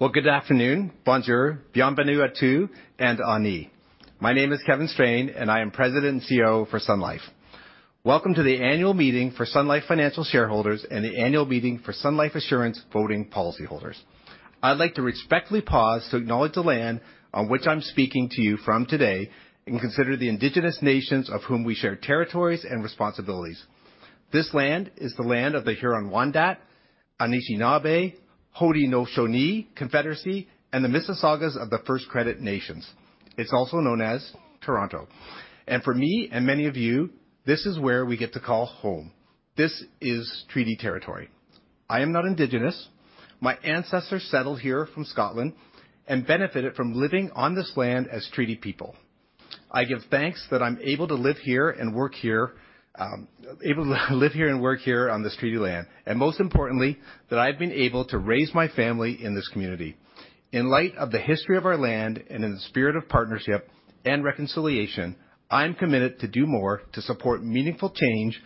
Well, good afternoon. Bonjour. Bienvenue à tous and Aanii. My name is Kevin Strain, and I am President and CEO for Sun Life. Welcome to the annual meeting for Sun Life Financial shareholders and the annual meeting for Sun Life Assurance voting policy holders. I'd like to respectfully pause to acknowledge the land on which I'm speaking to you from today and consider the indigenous nations of whom we share territories and responsibilities. This land is the land of the Huron-Wendat, Anishinaabe, Haudenosaunee Confederacy, and the Mississaugas of the Credit First Nation. It's also known as Toronto. For me and many of you, this is where we get to call home. This is treaty territory. I am not indigenous. My ancestors settled here from Scotland and benefited from living on this land as treaty people. I give thanks that I'm able to live here and work here, able to live here and work here on this treaty land, and most importantly, that I've been able to raise my family in this community. In light of the history of our land and in the spirit of partnership and reconciliation, I'm committed to do more to support meaningful change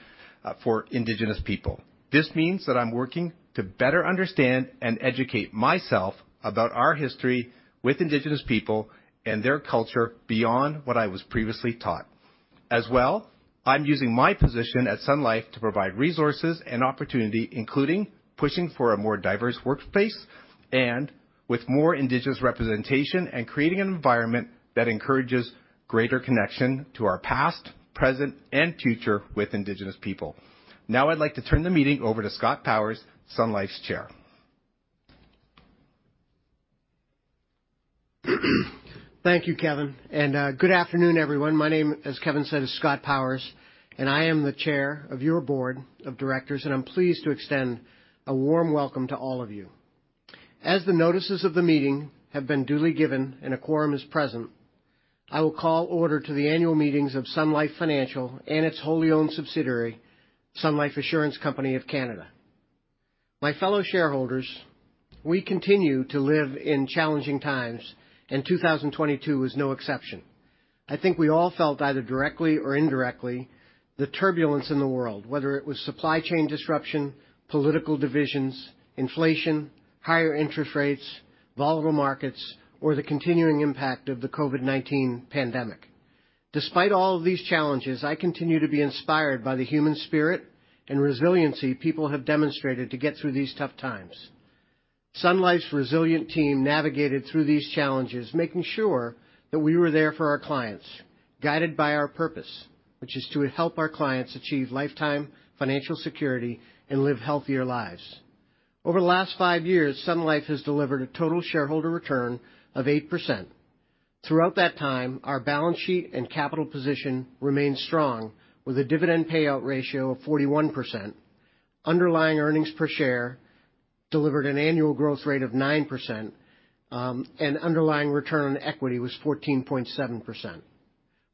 for indigenous people. This means that I'm working to better understand and educate myself about our history with indigenous people and their culture beyond what I was previously taught. As well, I'm using my position at Sun Life to provide resources and opportunity, including pushing for a more diverse workplace and with more indigenous representation and creating an environment that encourages greater connection to our past, present, and future with indigenous people. I'd like to turn the meeting over to Scott Powers, Sun Life's Chair. Thank you, Kevin. Good afternoon, everyone. My name, as Kevin said, is Scott Powers, and I am the Chair of your Board of Directors, and I'm pleased to extend a warm welcome to all of you. As the notices of the meeting have been duly given and a quorum is present, I will call order to the annual meetings of Sun Life Financial and its wholly-owned subsidiary, Sun Life Assurance Company of Canada. My fellow shareholders, we continue to live in challenging times. 2022 was no exception. I think we all felt, either directly or indirectly, the turbulence in the world, whether it was supply chain disruption, political divisions, inflation, higher interest rates, volatile markets, or the continuing impact of the COVID-19 pandemic. Despite all of these challenges, I continue to be inspired by the human spirit and resiliency people have demonstrated to get through these tough times. Sun Life's resilient team navigated through these challenges, making sure that we were there for our clients, guided by our purpose, which is to help our clients achieve lifetime financial security and live healthier lives. Over the last five years, Sun Life has delivered a total shareholder return of 8%. Throughout that time, our balance sheet and capital position remained strong with a dividend payout ratio of 41%. Underlying earnings per share delivered an annual growth rate of 9%, and underlying return on equity was 14.7%.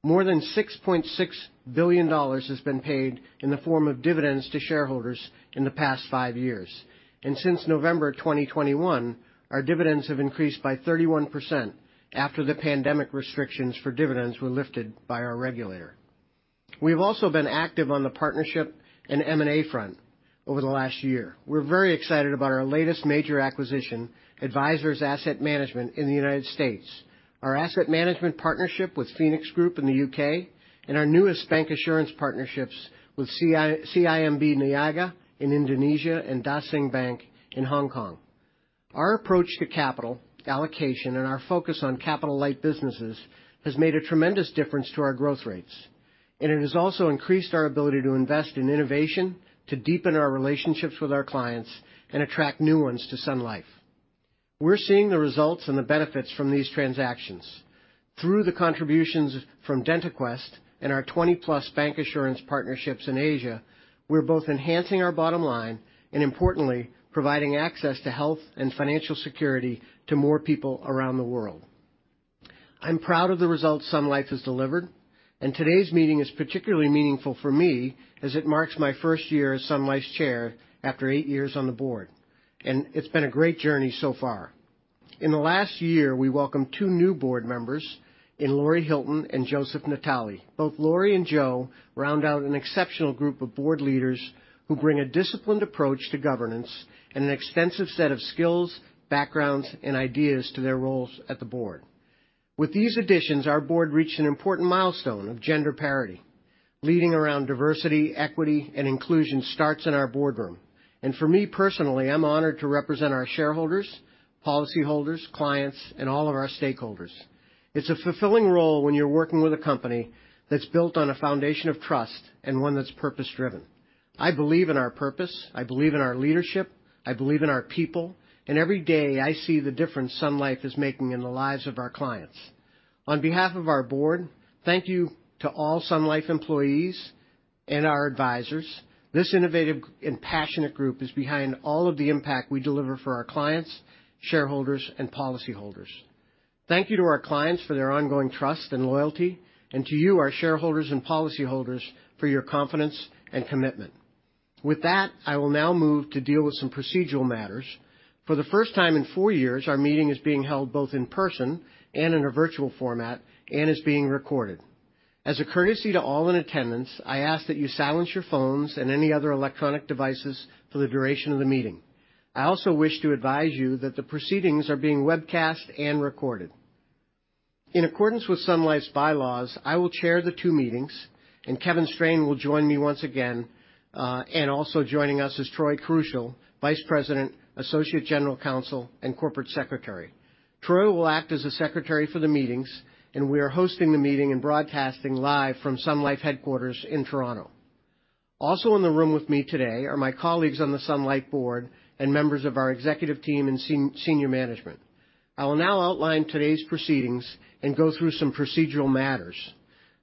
More than 6.6 billion dollars has been paid in the form of dividends to shareholders in the past five years. Since November of 2021, our dividends have increased by 31% after the pandemic restrictions for dividends were lifted by our regulator. We've also been active on the partnership and M&A front over the last year. We're very excited about our latest major acquisition, Advisors Asset Management in the United States, our asset management partnership with Phoenix Group in the U.K., and our newest bancassurance partnerships with CIMB Niaga in Indonesia and Dah Sing Bank in Hong Kong. Our approach to capital allocation and our focus on capital-light businesses has made a tremendous difference to our growth rates, and it has also increased our ability to invest in innovation, to deepen our relationships with our clients and attract new ones to Sun Life. We're seeing the results and the benefits from these transactions. Through the contributions from DentaQuest and our 20-plus bank assurance partnerships in Asia, we're both enhancing our bottom line and importantly, providing access to health and financial security to more people around the world. I'm proud of the results Sun Life has delivered, and today's meeting is particularly meaningful for me as it marks my first year as Sun Life's chair after eight years on the board, and it's been a great journey so far. In the last year, we welcomed two new board members in Laurie Hylton and Joseph Natale. Both Laurie and Joe round out an exceptional group of board leaders who bring a disciplined approach to governance and an extensive set of skills, backgrounds, and ideas to their roles at the board. With these additions, our board reached an important milestone of gender parity. Leading around diversity, equity, and inclusion starts in our boardroom. For me personally, I'm honored to represent our shareholders, policyholders, clients, and all of our stakeholders. It's a fulfilling role when you're working with a company that's built on a foundation of trust and one that's purpose-driven. I believe in our purpose, I believe in our leadership, I believe in our people, and every day, I see the difference Sun Life is making in the lives of our clients. On behalf of our board, thank you to all Sun Life employees and our advisors. This innovative and passionate group is behind all of the impact we deliver for our clients, shareholders, and policyholders. Thank you to our clients for their ongoing trust and loyalty and to you, our shareholders and policyholders, for your confidence and commitment. With that, I will now move to deal with some procedural matters. For the first time in four years, our meeting is being held both in person and in a virtual format and is being recorded. As a courtesy to all in attendance, I ask that you silence your phones and any other electronic devices for the duration of the meeting. I also wish to advise you that the proceedings are being webcast and recorded. In accordance with Sun Life's bylaws, I will chair the two meetings. Kevin Strain will join me once again. Also joining us is Troy Krushel, Vice President, Associate General Counsel and Corporate Secretary. Troy will act as the secretary for the meetings. We are hosting the meeting and broadcasting live from Sun Life headquarters in Toronto. Also in the room with me today are my colleagues on the Sun Life Board and members of our executive team and senior management. I will now outline today's proceedings and go through some procedural matters.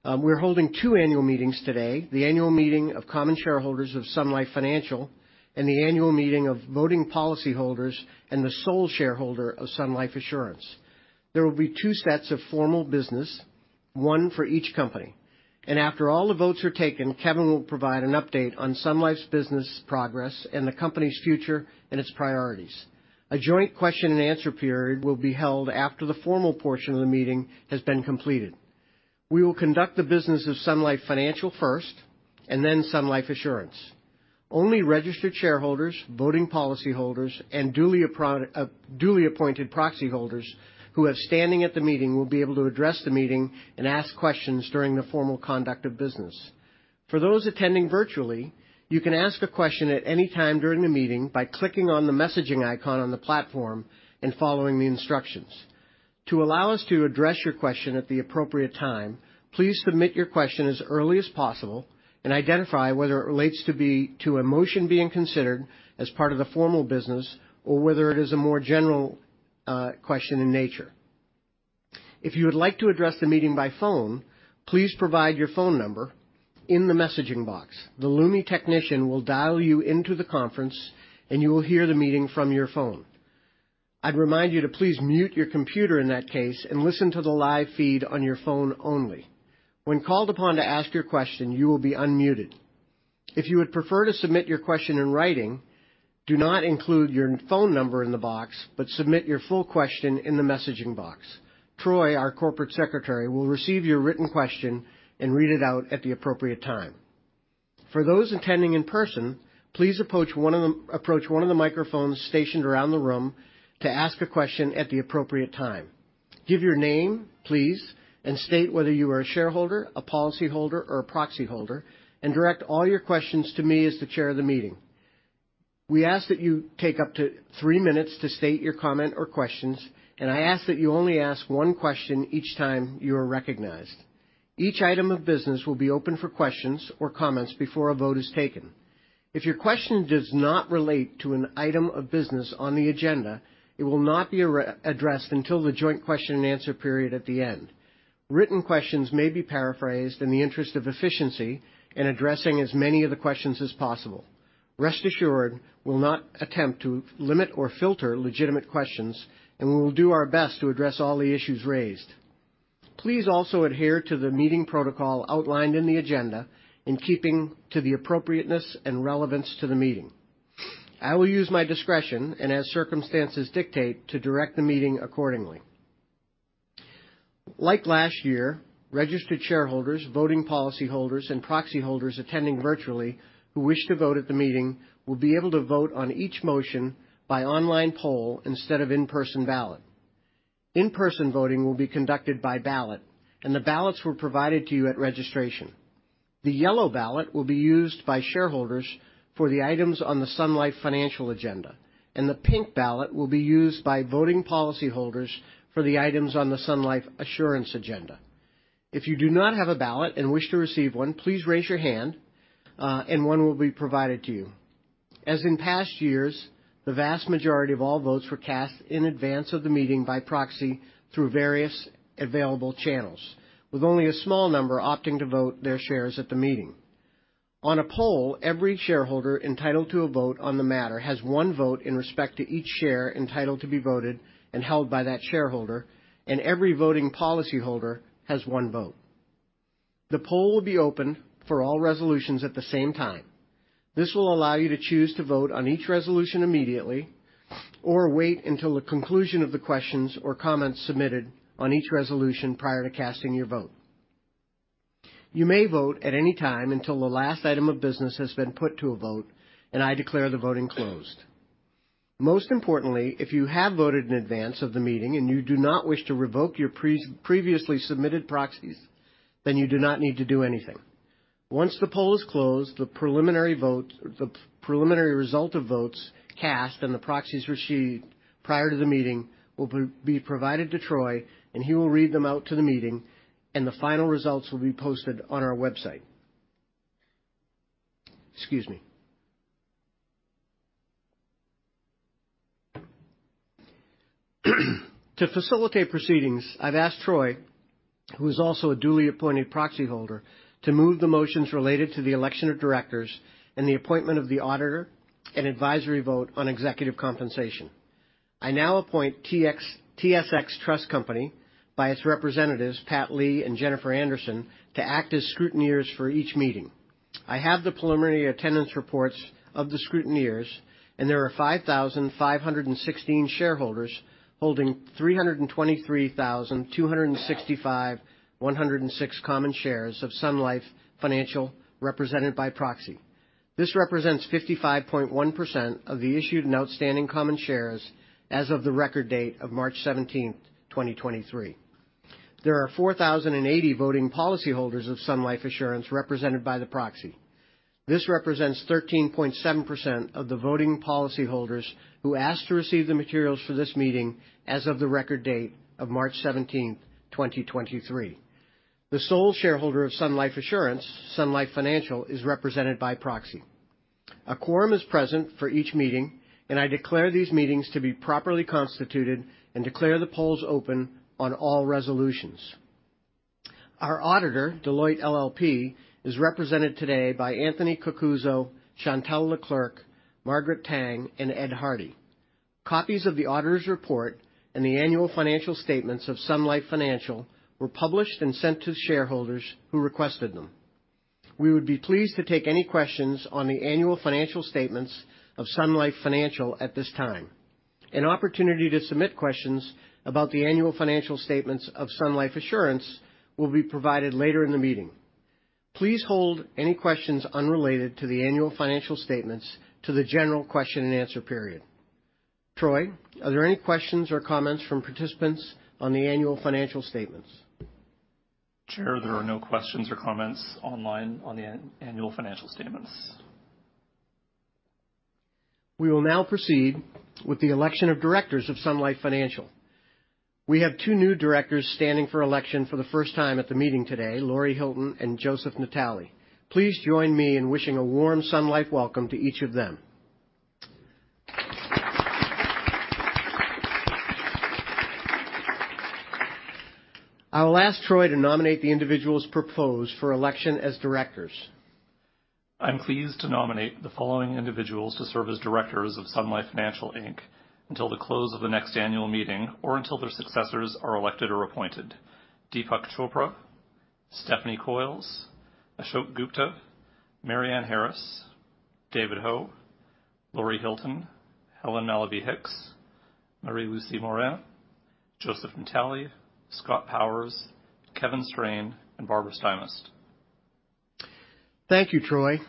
We're holding two annual meetings today. The annual meeting of common shareholders of Sun Life Financial, and the annual meeting of voting policyholders and the sole shareholder of Sun Life Assurance. There will be two sets of formal business, one for each company. After all the votes are taken, Kevin will provide an update on Sun Life's business progress and the company's future and its priorities. A joint question and answer period will be held after the formal portion of the meeting has been completed. We will conduct the business of Sun Life Financial first, and then Sun Life Assurance. Only registered shareholders, voting policyholders, and duly appointed proxy holders who have standing at the meeting will be able to address the meeting and ask questions during the formal conduct of business. For those attending virtually, you can ask a question at any time during the meeting by clicking on the messaging icon on the platform and following the instructions. To allow us to address your question at the appropriate time, please submit your question as early as possible and identify whether it relates to a motion being considered as part of the formal business or whether it is a more general question in nature. If you would like to address the meeting by phone, please provide your phone number in the messaging box. The Lumi technician will dial you into the conference, and you will hear the meeting from your phone. I'd remind you to please mute your computer in that case and listen to the live feed on your phone only. When called upon to ask your question, you will be unmuted. If you would prefer to submit your question in writing, do not include your phone number in the box, but submit your full question in the messaging box. Troy, our corporate secretary, will receive your written question and read it out at the appropriate time. For those attending in person, please approach one of the microphones stationed around the room to ask a question at the appropriate time. Give your name, please, and state whether you are a shareholder, a policyholder, or a proxy holder, and direct all your questions to me as the chair of the meeting. We ask that you take up to three minutes to state your comment or questions, and I ask that you only ask one question each time you are recognized. Each item of business will be open for questions or comments before a vote is taken. If your question does not relate to an item of business on the agenda, it will not be addressed until the joint question and answer period at the end. Written questions may be paraphrased in the interest of efficiency in addressing as many of the questions as possible. Rest assured, we'll not attempt to limit or filter legitimate questions, and we will do our best to address all the issues raised. Please also adhere to the meeting protocol outlined in the agenda in keeping to the appropriateness and relevance to the meeting. I will use my discretion and as circumstances dictate, to direct the meeting accordingly. Like last year, registered shareholders, voting policyholders, and proxy holders attending virtually who wish to vote at the meeting will be able to vote on each motion by online poll instead of in-person ballot. In-person voting will be conducted by ballot. The ballots were provided to you at registration. The yellow ballot will be used by shareholders for the items on the Sun Life Financial agenda, and the pink ballot will be used by voting policyholders for the items on the Sun Life Assurance agenda. If you do not have a ballot and wish to receive one, please raise your hand, and one will be provided to you. As in past years, the vast majority of all votes were cast in advance of the meeting by proxy through various available channels, with only a small number opting to vote their shares at the meeting. On a poll, every shareholder entitled to a vote on the matter has one vote in respect to each share entitled to be voted and held by that shareholder, and every voting policyholder has one vote. The poll will be open for all resolutions at the same time. This will allow you to choose to vote on each resolution immediately or wait until the conclusion of the questions or comments submitted on each resolution prior to casting your vote. You may vote at any time until the last item of business has been put to a vote, and I declare the voting closed. Most importantly, if you have voted in advance of the meeting and you do not wish to revoke your previously submitted proxies, you do not need to do anything. Once the poll is closed, the preliminary result of votes cast and the proxies received prior to the meeting will be provided to Troy, and he will read them out to the meeting, and the final results will be posted on our website. Excuse me. To facilitate proceedings, I've asked Troy, who is also a duly appointed proxy holder, to move the motions related to the election of directors and the appointment of the auditor and advisory vote on executive compensation. I now appoint TSX Trust Company by its representatives, Pat Lee and Jennifer Anderson, to act as scrutineers for each meeting. I have the preliminary attendance reports of the scrutineers, and there are 5,516 shareholders holding 323,265,106 common shares of Sun Life Financial represented by proxy. This represents 55.1% of the issued and outstanding common shares as of the record date of March 17th, 2023. There are 4,080 voting policyholders of Sun Life Assurance represented by the proxy. This represents 13.7% of the voting policyholders who asked to receive the materials for this meeting as of the record date of March 17, 2023. The sole shareholder of Sun Life Assurance, Sun Life Financial, is represented by proxy. A quorum is present for each meeting, and I declare these meetings to be properly constituted and declare the polls open on all resolutions. Our auditor, Deloitte LLP, is represented today by Anthony Cocuzzo, Chantale Leclerc, Margaret Tang, and Ed Hardy. Copies of the auditor's report and the annual financial statements of Sun Life Financial were published and sent to shareholders who requested them. We would be pleased to take any questions on the annual financial statements of Sun Life Financial at this time. An opportunity to submit questions about the annual financial statements of Sun Life Assurance will be provided later in the meeting. Please hold any questions unrelated to the annual financial statements to the general question and answer period. Troy, are there any questions or comments from participants on the annual financial statements? Chair, there are no questions or comments online on the annual financial statements. We will now proceed with the election of directors of Sun Life Financial. We have two new directors standing for election for the first time at the meeting today, Laurie Hylton and Joseph Natale. Please join me in wishing a warm Sun Life welcome to each of them. I will ask Troy to nominate the individuals proposed for election as directors. I'm pleased to nominate the following individuals to serve as directors of Sun Life Financial Inc. until the close of the next annual meeting or until their successors are elected or appointed. Deepak Chopra, Stephanie Coyles, Ashok Gupta, Marianne Harris, David Ho, Laurie Hylton, Helen Mallovy Hicks, Marie-Lucie Morin, Joseph Natale, Scott Powers, Kevin Strain, and Barbara Stymest. Thank you, Troy.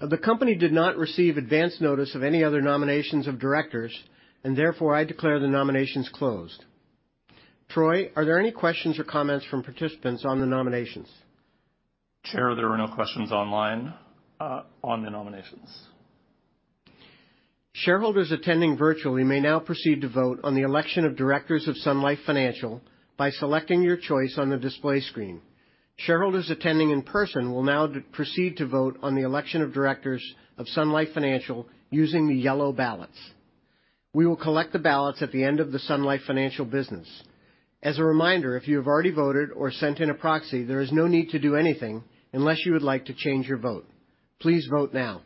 The company did not receive advance notice of any other nominations of directors, and therefore, I declare the nominations closed. Troy, are there any questions or comments from participants on the nominations? Chair, there are no questions online on the nominations. Shareholders attending virtually may now proceed to vote on the election of directors of Sun Life Financial by selecting your choice on the display screen. Shareholders attending in person will now proceed to vote on the election of directors of Sun Life Financial using the yellow ballots. We will collect the ballots at the end of the Sun Life Financial business. As a reminder, if you have already voted or sent in a proxy, there is no need to do anything unless you would like to change your vote. Please vote now.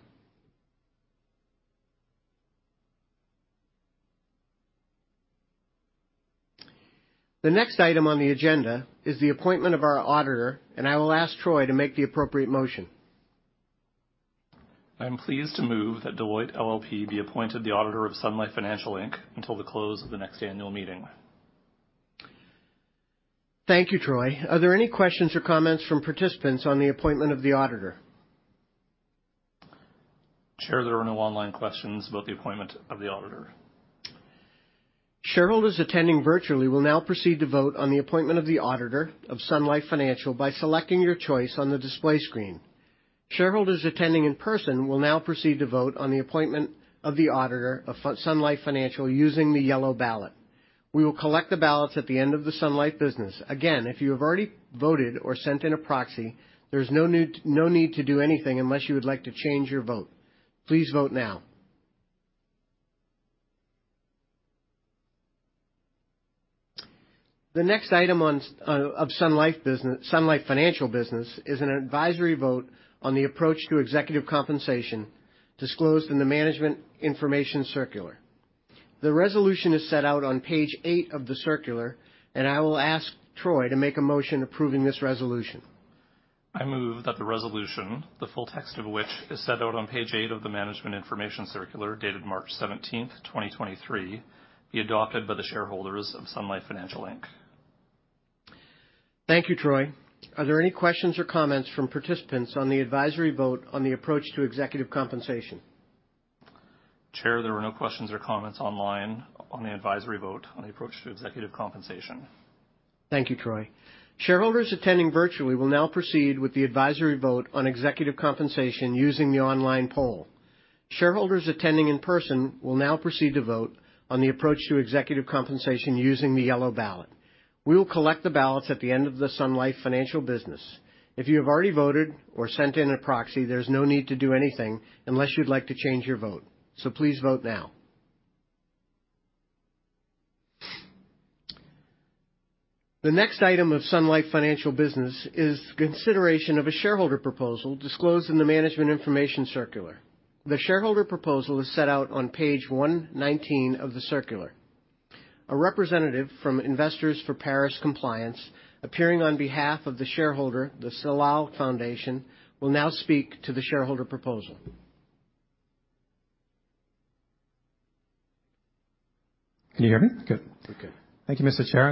The next item on the agenda is the appointment of our auditor. I will ask Troy to make the appropriate motion. I am pleased to move that Deloitte LLP be appointed the auditor of Sun Life Financial Inc. until the close of the next annual meeting. Thank you, Troy. Are there any questions or comments from participants on the appointment of the auditor? Chair, there are no online questions about the appointment of the auditor. Shareholders attending virtually will now proceed to vote on the appointment of the auditor of Sun Life Financial by selecting your choice on the display screen. Shareholders attending in person will now proceed to vote on the appointment of the auditor of Sun Life Financial using the yellow ballot. We will collect the ballots at the end of the Sun Life business. Again, if you have already voted or sent in a proxy, there's no need to do anything unless you would like to change your vote. Please vote now. The next item of Sun Life business, Sun Life Financial business is an advisory vote on the approach to executive compensation disclosed in the management information circular. The resolution is set out on page 8 of the circular. I will ask Troy to make a motion approving this resolution. I move that the resolution, the full text of which is set out on page 8 of the management information circular dated March 17th, 2023, be adopted by the shareholders of Sun Life Financial Inc. Thank you, Troy. Are there any questions or comments from participants on the advisory vote on the approach to executive compensation? Chair, there are no questions or comments online on the advisory vote on the approach to executive compensation. Thank you, Troy. Shareholders attending virtually will now proceed with the advisory vote on executive compensation using the online poll. Shareholders attending in person will now proceed to vote on the approach to executive compensation using the yellow ballot. We will collect the ballots at the end of the Sun Life Financial business. If you have already voted or sent in a proxy, there's no need to do anything unless you'd like to change your vote. Please vote now. The next item of Sun Life Financial business is consideration of a shareholder proposal disclosed in the management information circular. The shareholder proposal is set out on page 119 of the circular. A representative from Investors for Paris Compliance appearing on behalf of the shareholder, the Salal Foundation, will now speak to the shareholder proposal. Can you hear me? Good. Okay. Thank you, Mr. Chair.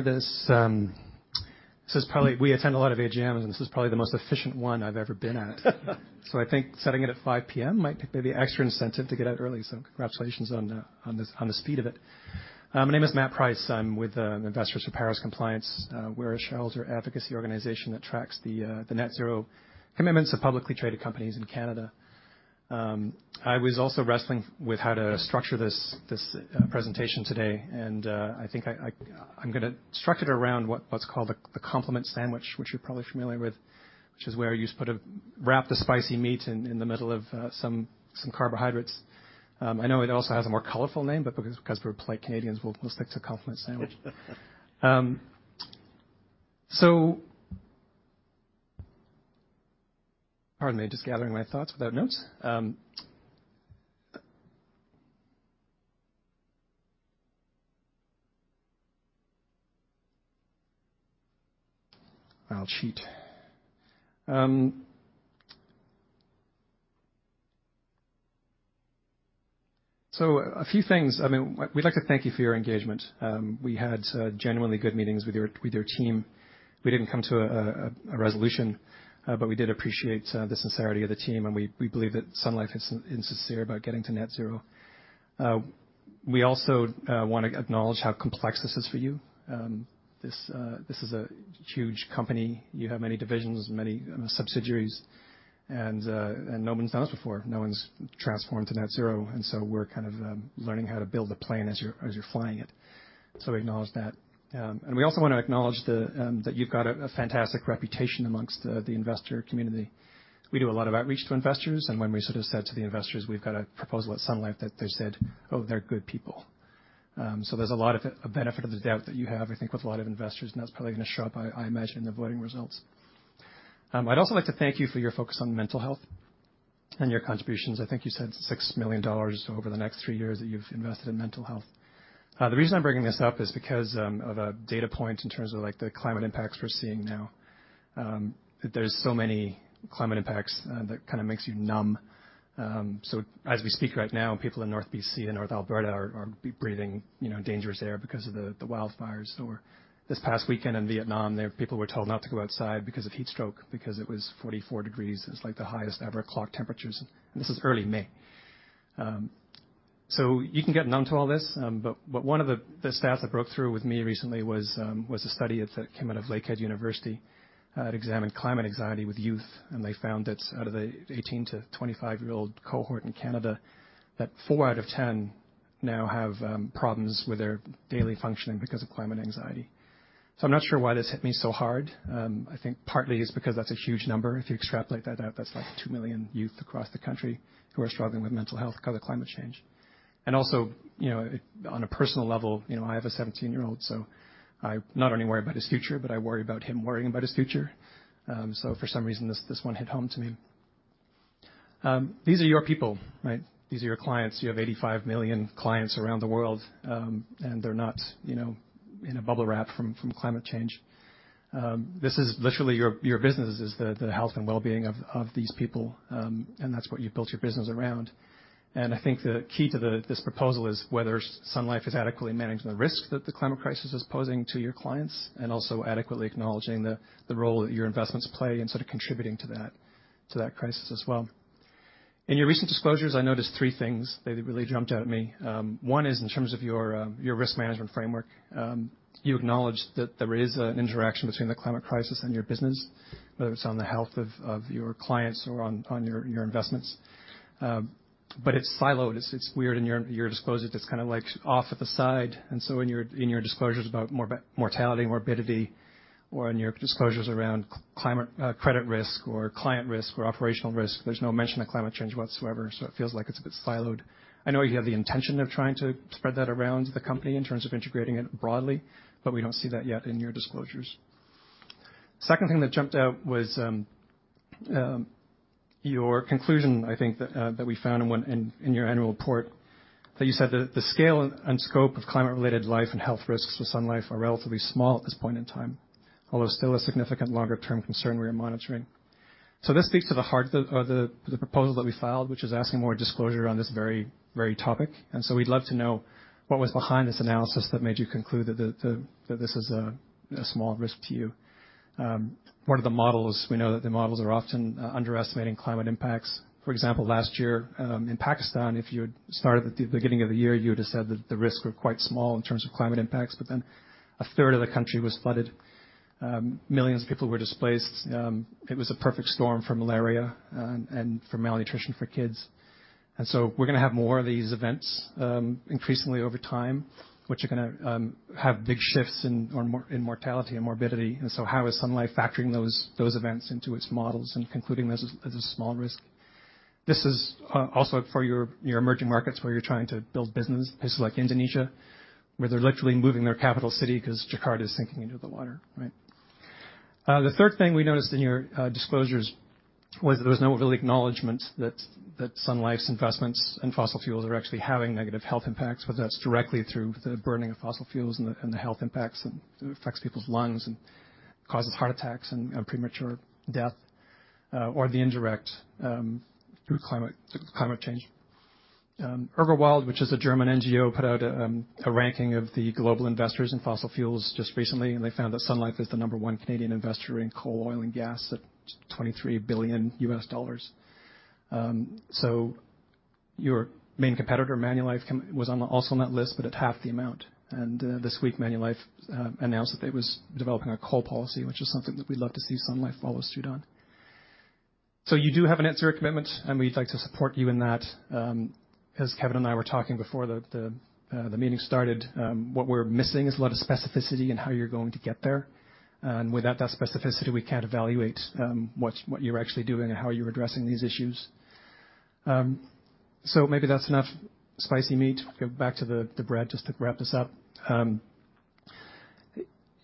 We attend a lot of AGMs, and this is probably the most efficient one I've ever been at. I think setting it at 5:00 P.M. might be maybe extra incentive to get out early, so congratulations on the speed of it. My name is Matt Price. I'm with Investors for Paris Compliance. We're a shareholder advocacy organization that tracks the net zero commitments of publicly traded companies in Canada. I was also wrestling with how to structure this presentation today, I'm gonna structure it around what's called the compliment sandwich, which you're probably familiar with, which is where you just wrap the spicy meat in the middle of some carbohydrates. I know it also has a more colorful name, but because we're polite Canadians, we'll stick to compliment sandwich. Pardon me. Just gathering my thoughts without notes. I'll cheat. A few things. I mean, we'd like to thank you for your engagement. We had genuinely good meetings with your team. We didn't come to a resolution, but we did appreciate the sincerity of the team, and we believe that Sun Life is sincere about getting to net zero. We also want to acknowledge how complex this is for you. This is a huge company. You have many divisions, many subsidiaries, and no one's done this before. No one's transformed to net zero, we're kind of learning how to build a plane as you're flying it. We acknowledge that. We also wanna acknowledge that you've got a fantastic reputation amongst the investor community. We do a lot of outreach to investors, and when we sort of said to the investors, we've got a proposal at Sun Life that they said, "Oh, they're good people." There's a lot of benefit of the doubt that you have, I think, with a lot of investors, and that's probably gonna show up, I imagine, in the voting results. I'd also like to thank you for your focus on mental health and your contributions. I think you said $6 million over the next three years that you've invested in mental health. The reason I'm bringing this up is because of a data point in terms of, like, the climate impacts we're seeing now. There's so many climate impacts that kind of makes you numb. As we speak right now, people in North BC and North Alberta are breathing, you know, dangerous air because of the wildfires that were. This past weekend in Vietnam, their people were told not to go outside because of heat stroke because it was 44 degrees Celsius. It's, like, the highest ever clocked temperatures, this is early May. You can get numb to all this, but one of the stats that broke through with me recently was a study that came out of Lakehead University that examined climate anxiety with youth, and they found that out of the 18 to 25-year-old cohort in Canada, that four out of 10 now have problems with their daily functioning because of climate anxiety. I'm not sure why this hit me so hard. I think partly it's because that's a huge number. If you extrapolate that out, that's like 2 million youth across the country who are struggling with mental health because of climate change. Also, you know, on a personal level, you know, I have a 17-year-old, so I not only worry about his future, but I worry about him worrying about his future. For some reason, this one hit home to me. These are your people, right? These are your clients. You have 85 million clients around the world, they're not, you know, in a bubble wrap from climate change. This is literally your business is the health and well-being of these people, that's what you've built your business around. I think the key to this proposal is whether Sun Life is adequately managing the risk that the climate crisis is posing to your clients and also adequately acknowledging the role that your investments play in sort of contributing to that crisis as well. In your recent disclosures, I noticed three things. They really jumped out at me. One is in terms of your risk management framework. You acknowledge that there is an interaction between the climate crisis and your business, whether it's on the health of your clients or on your investments. It's siloed. It's weird. In your disclosures, it's kind of like off at the side. In your disclosures about mortality, morbidity, or in your disclosures around climate, credit risk or client risk or operational risk, there's no mention of climate change whatsoever. It feels like it's a bit siloed. I know you have the intention of trying to spread that around the company in terms of integrating it broadly. We don't see that yet in your disclosures. Second thing that jumped out was your conclusion, I think, that we found in your annual report that you said the scale and scope of climate-related life and health risks for Sun Life are relatively small at this point in time, although still a significant longer term concern we are monitoring. This speaks to the heart of the proposal that we filed, which is asking more disclosure on this very, very topic. We'd love to know what was behind this analysis that made you conclude that this is a small risk to you. What are the models? We know that the models are often underestimating climate impacts. For example, last year, in Pakistan, if you had started at the beginning of the year, you would have said that the risks were quite small in terms of climate impacts. A third of the country was flooded. Millions of people were displaced. It was a perfect storm for malaria and for malnutrition for kids. We're gonna have more of these events increasingly over time, which are gonna have big shifts in mortality and morbidity. How is Sun Life factoring those events into its models and concluding this as a small risk? This is also for your emerging markets where you're trying to build business, places like Indonesia, where they're literally moving their capital city because Jakarta is sinking into the water, right? The third thing we noticed in your disclosures was there was no real acknowledgement that Sun Life's investments in fossil fuels are actually having negative health impacts, whether that's directly through the burning of fossil fuels and the health impacts and it affects people's lungs and causes heart attacks and premature death or the indirect through climate change. Urgewald, which is a German NGO, put out a ranking of the global investors in fossil fuels just recently, and they found that Sun Life is the number one Canadian investor in coal, oil, and gas at $23 billion. Your main competitor, Manulife, was on, also on that list, but at half the amount. This week, Manulife announced that it was developing a coal policy, which is something that we'd love to see Sun Life follow suit on. You do have a net-zero commitment, and we'd like to support you in that. As Kevin and I were talking before the meeting started, what we're missing is a lot of specificity in how you're going to get there. Without that specificity, we can't evaluate what you're actually doing and how you're addressing these issues. Maybe that's enough spicy meat. Go back to the bread just to wrap this up.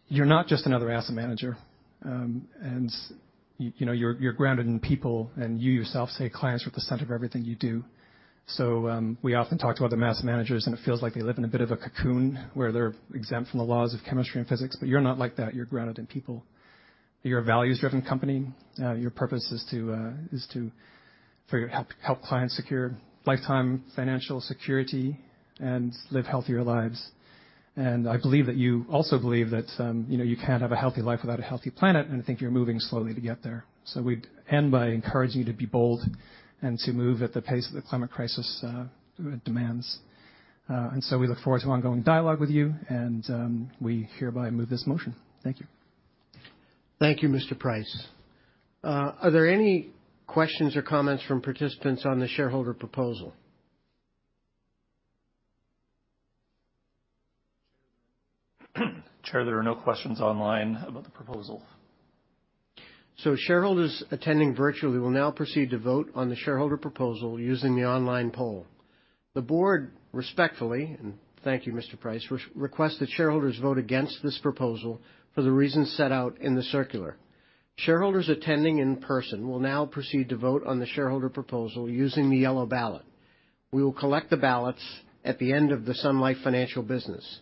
You're not just another asset manager. You know, you're grounded in people, and you yourself say clients are at the center of everything you do. We often talk to other asset managers, and it feels like they live in a bit of a cocoon where they're exempt from the laws of chemistry and physics. You're not like that. You're grounded in people. You're a values-driven company. Your purpose is to Help clients secure lifetime financial security and live healthier lives. I believe that you also believe that, you know, you can't have a healthy life without a healthy planet, and I think you're moving slowly to get there. We'd end by encouraging you to be bold and to move at the pace that the climate crisis demands. We look forward to ongoing dialogue with you, and we hereby move this motion. Thank you. Thank you, Mr. Price. Are there any questions or comments from participants on the shareholder proposal? Chair, there are no questions online about the proposal. Shareholders attending virtually will now proceed to vote on the shareholder proposal using the online poll. The board respectfully, and thank you, Mr. Price, re-request that shareholders vote against this proposal for the reasons set out in the circular. Shareholders attending in person will now proceed to vote on the shareholder proposal using the yellow ballot. We will collect the ballots at the end of the Sun Life Financial business.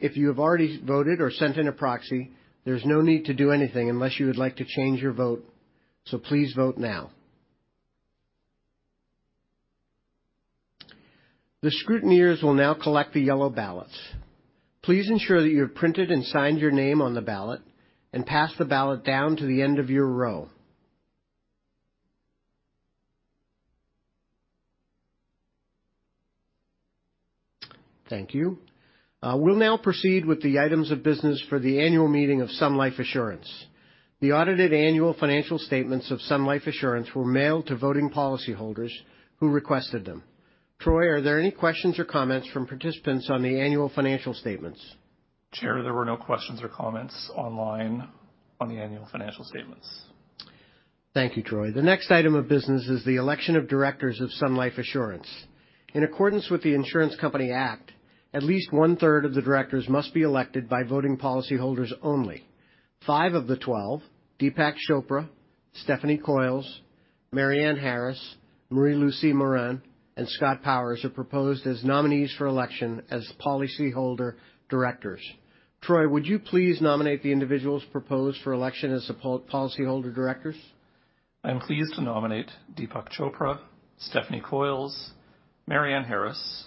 If you have already voted or sent in a proxy, there's no need to do anything unless you would like to change your vote. Please vote now. The scrutineers will now collect the yellow ballots. Please ensure that you have printed and signed your name on the ballot and pass the ballot down to the end of your row. Thank you. We'll now proceed with the items of business for the annual meeting of Sun Life Assurance. The audited annual financial statements of Sun Life Assurance were mailed to voting policyholders who requested them. Troy, are there any questions or comments from participants on the annual financial statements? Chair, there were no questions or comments online on the annual financial statements. Thank you, Troy. The next item of business is the election of directors of Sun Life Assurance. In accordance with the Insurance Companies Act, at least one-third of the directors must be elected by voting policyholders only. Five of the 12, Deepak Chopra, Stephanie Coyles, Marianne Harris, Marie-Lucie Morin, and Scott Powers, are proposed as nominees for election as the policyholder directors. Troy, would you please nominate the individuals proposed for election as the policyholder directors? I am pleased to nominate Deepak Chopra, Stephanie Coyles, Marianne Harris,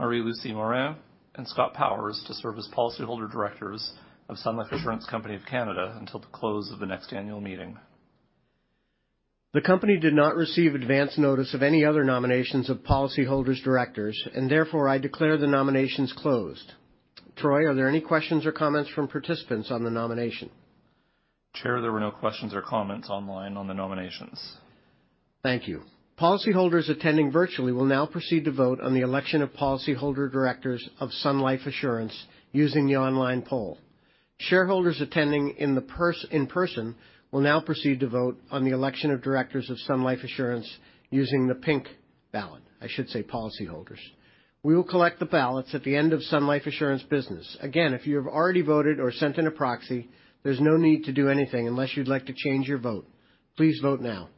Marie-Lucie Morin, and Scott Powers to serve as policyholder directors of Sun Life Assurance Company of Canada until the close of the next annual meeting. The company did not receive advance notice of any other nominations of policyholders directors, and therefore I declare the nominations closed. Troy, are there any questions or comments from participants on the nomination? Chair, there were no questions or comments online on the nominations. Thank you. Policyholders attending virtually will now proceed to vote on the election of policyholder directors of Sun Life Assurance using the online poll. Shareholders attending In person will now proceed to vote on the election of directors of Sun Life Assurance using the pink ballot. I should say policyholders. We will collect the ballots at the end of Sun Life Assurance business. Again, if you have already voted or sent in a proxy, there's no need to do anything unless you'd like to change your vote. Please vote now.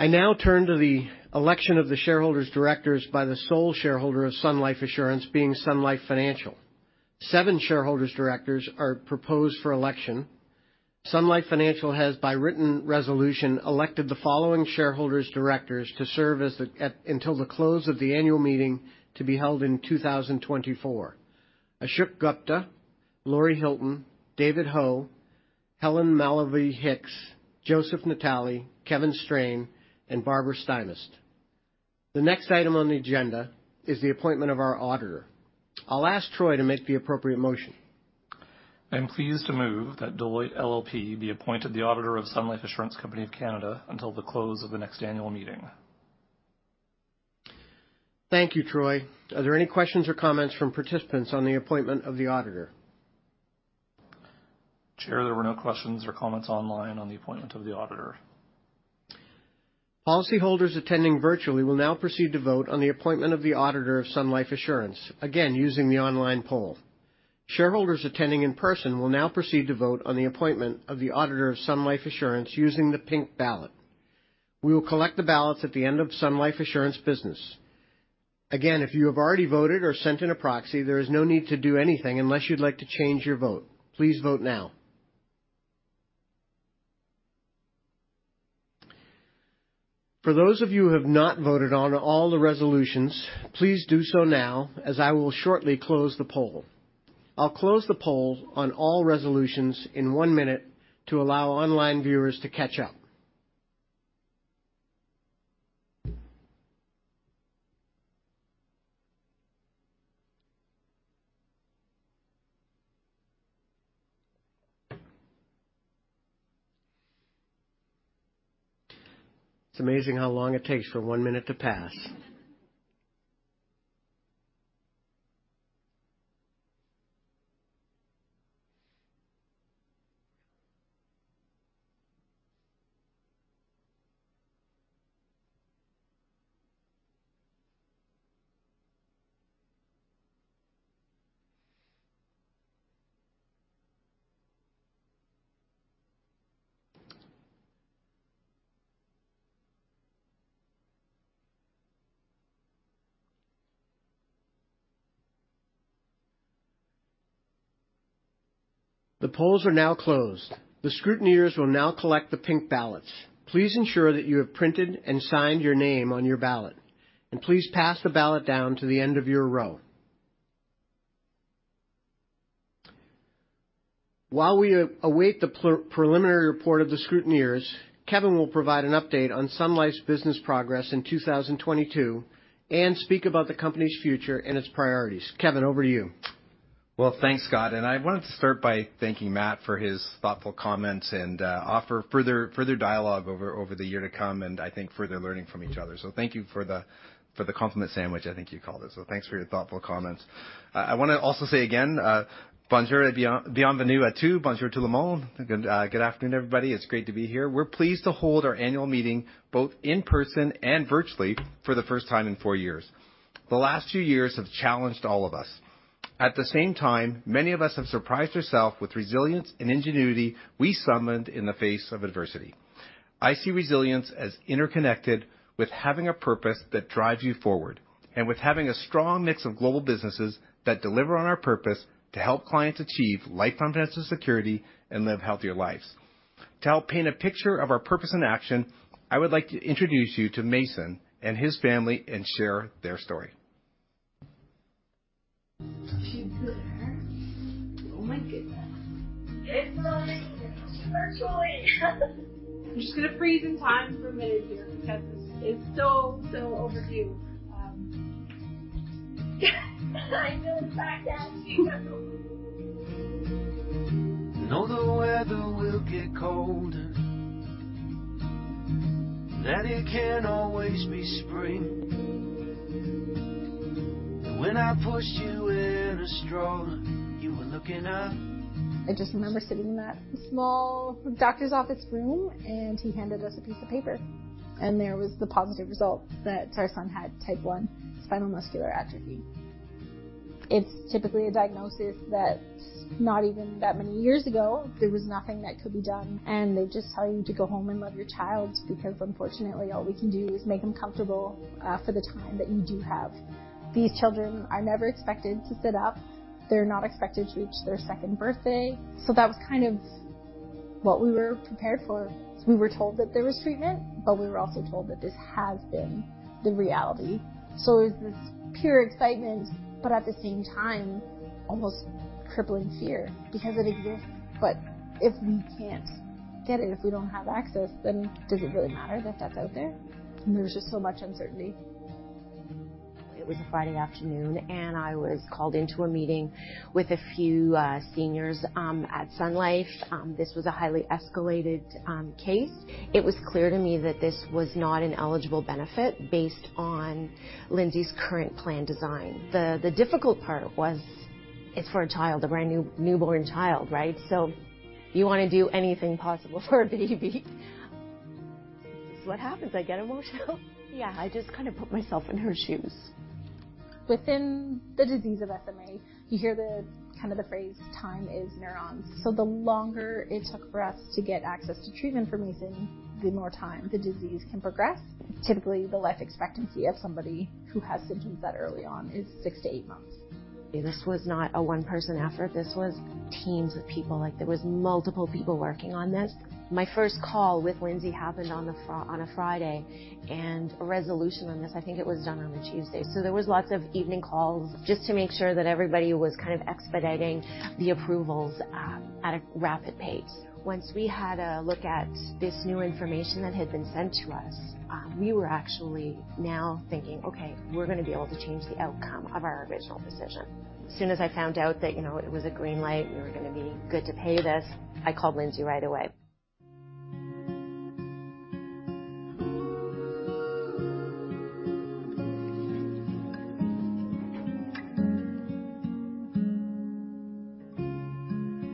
I now turn to the election of the shareholders directors by the sole shareholder of Sun Life Assurance being Sun Life Financial. Seven shareholders directors are proposed for election. Sun Life Financial has, by written resolution, elected the following shareholders directors to serve until the close of the annual meeting to be held in 2024: Ashok Gupta, Laurie Hylton, David Ho, Helen Mallovy Hicks, Joseph Natale, Kevin Strain, and Barbara Stymest. The next item on the agenda is the appointment of our auditor. I'll ask Troy to make the appropriate motion. I am pleased to move that Deloitte LLP be appointed the auditor of Sun Life Assurance Company of Canada until the close of the next annual meeting. Thank you, Troy. Are there any questions or comments from participants on the appointment of the auditor? Chair, there were no questions or comments online on the appointment of the auditor. Policyholders attending virtually will now proceed to vote on the appointment of the auditor of Sun Life Assurance, again using the online poll. Shareholders attending in person will now proceed to vote on the appointment of the auditor of Sun Life Assurance using the pink ballot. We will collect the ballots at the end of Sun Life Assurance business. If you have already voted or sent in a proxy, there is no need to do anything unless you'd like to change your vote. Please vote now. For those of you who have not voted on all the resolutions, please do so now as I will shortly close the poll. I'll close the poll on all resolutions in one minute to allow online viewers to catch up. It's amazing how long it takes for one minute to pass. The polls are now closed. The scrutineers will now collect the pink ballots. Please ensure that you have printed and signed your name on your ballot. Please pass the ballot down to the end of your row. While we await the preliminary report of the scrutineers, Kevin will provide an update on Sun Life's business progress in 2022 and speak about the company's future and its priorities. Kevin, over to you. Well, thanks, Scott. I wanted to start by thanking Matt for his thoughtful comments and offer further dialogue over the year to come, and I think further learning from each other. Thank you for the compliment sandwich, I think you called it. Thanks for your thoughtful comments. I wanna also say again, bonjour et bienvenue à tous. Bonjour tout le monde. Good afternoon, everybody. It's great to be here. We're pleased to hold our annual meeting both in person and virtually for the first time in 4 years. The last few years have challenged all of us. At the same time, many of us have surprised ourselves with resilience and ingenuity we summoned in the face of adversity. I see resilience as interconnected with having a purpose that drives you forward and with having a strong mix of global businesses that deliver on our purpose to help clients achieve lifelong financial security and live healthier lives. To help paint a picture of our purpose in action, I would like to introduce you to Mason and his family and share their story. She's there. Oh my goodness. It's mommy virtually. I'm just gonna freeze in time for a minute here because it's so overdue. I feel like I can't speak. Know the weather will get colder. It can't always be spring. When I pushed you in a stroller, you were looking up. I just remember sitting in that small doctor's office room. He handed us a piece of paper. There was the positive result that our son had Type I spinal muscular atrophy. It's typically a diagnosis that not even that many years ago there was nothing that could be done. They just tell you to go home and love your child because unfortunately all we can do is make them comfortable for the time that you do have. These children are never expected to sit up. They're not expected to reach their second birthday. That was kind of what we were prepared for. We were told that there was treatment. We were also told that this has been the reality. It's this pure excitement, but at the same time almost crippling fear because it exists, but if we can't get it, if we don't have access, then does it really matter that that's out there? There's just so much uncertainty. It was a Friday afternoon, I was called into a meeting with a few seniors at Sun Life. This was a highly escalated case. It was clear to me that this was not an eligible benefit based on Lindsay's current plan design. The difficult part was it's for a child, a brand new newborn child, right? You wanna do anything possible for a baby. This is what happens. I get emotional. Yeah, I just kind of put myself in her shoes. Within the disease of SMA, you hear the kind of the phrase, "Time is neurons." The longer it took for us to get access to treatment for Mason, the more time the disease can progress. Typically, the life expectancy of somebody who has symptoms that early on is six to eight months. This was not a one-person effort. This was teams of people. Like, there was multiple people working on this. My first call with Lindsay happened on a Friday, and a resolution on this, I think it was done on a Tuesday. There was lots of evening calls just to make sure that everybody was kind of expediting the approvals at a rapid pace. Once we had a look at this new information that had been sent to us, we were actually now thinking, "Okay, we're gonna be able to change the outcome of our original decision." As soon as I found out that, you know, it was a green light, we were gonna be good to pay this, I called Lindsay right away.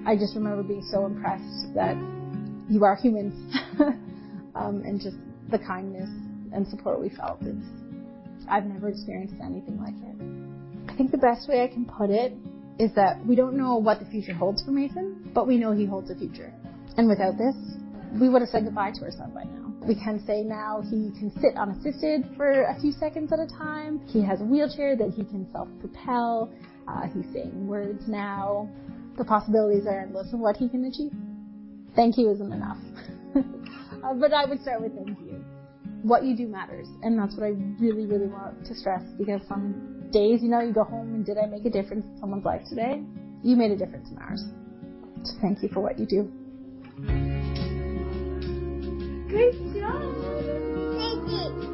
I just remember being so impressed that you are human. Just the kindness and support we felt is... I've never experienced anything like it. I think the best way I can put it is that we don't know what the future holds for Mason, but we know he holds a future. Without this, we would have said goodbye to our son by now. We can say now he can sit unassisted for a few seconds at a time. He has a wheelchair that he can self-propel. He's saying words now. The possibilities are endless of what he can achieve. Thank you isn't enough. I would start with thank you. What you do matters, and that's what I really want to stress because some days, you know, you go home, and did I make a difference in someone's life today? You made a difference in ours. Thank you for what you do. Good job. Thank you.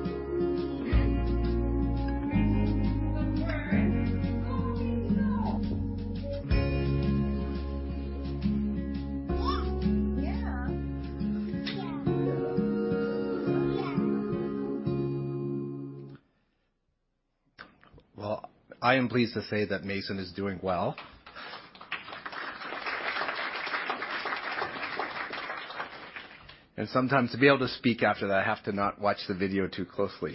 Yeah. Yeah. Yeah. Yeah. Yeah. Well, I am pleased to say that Mason is doing well. Sometimes to be able to speak after that, I have to not watch the video too closely.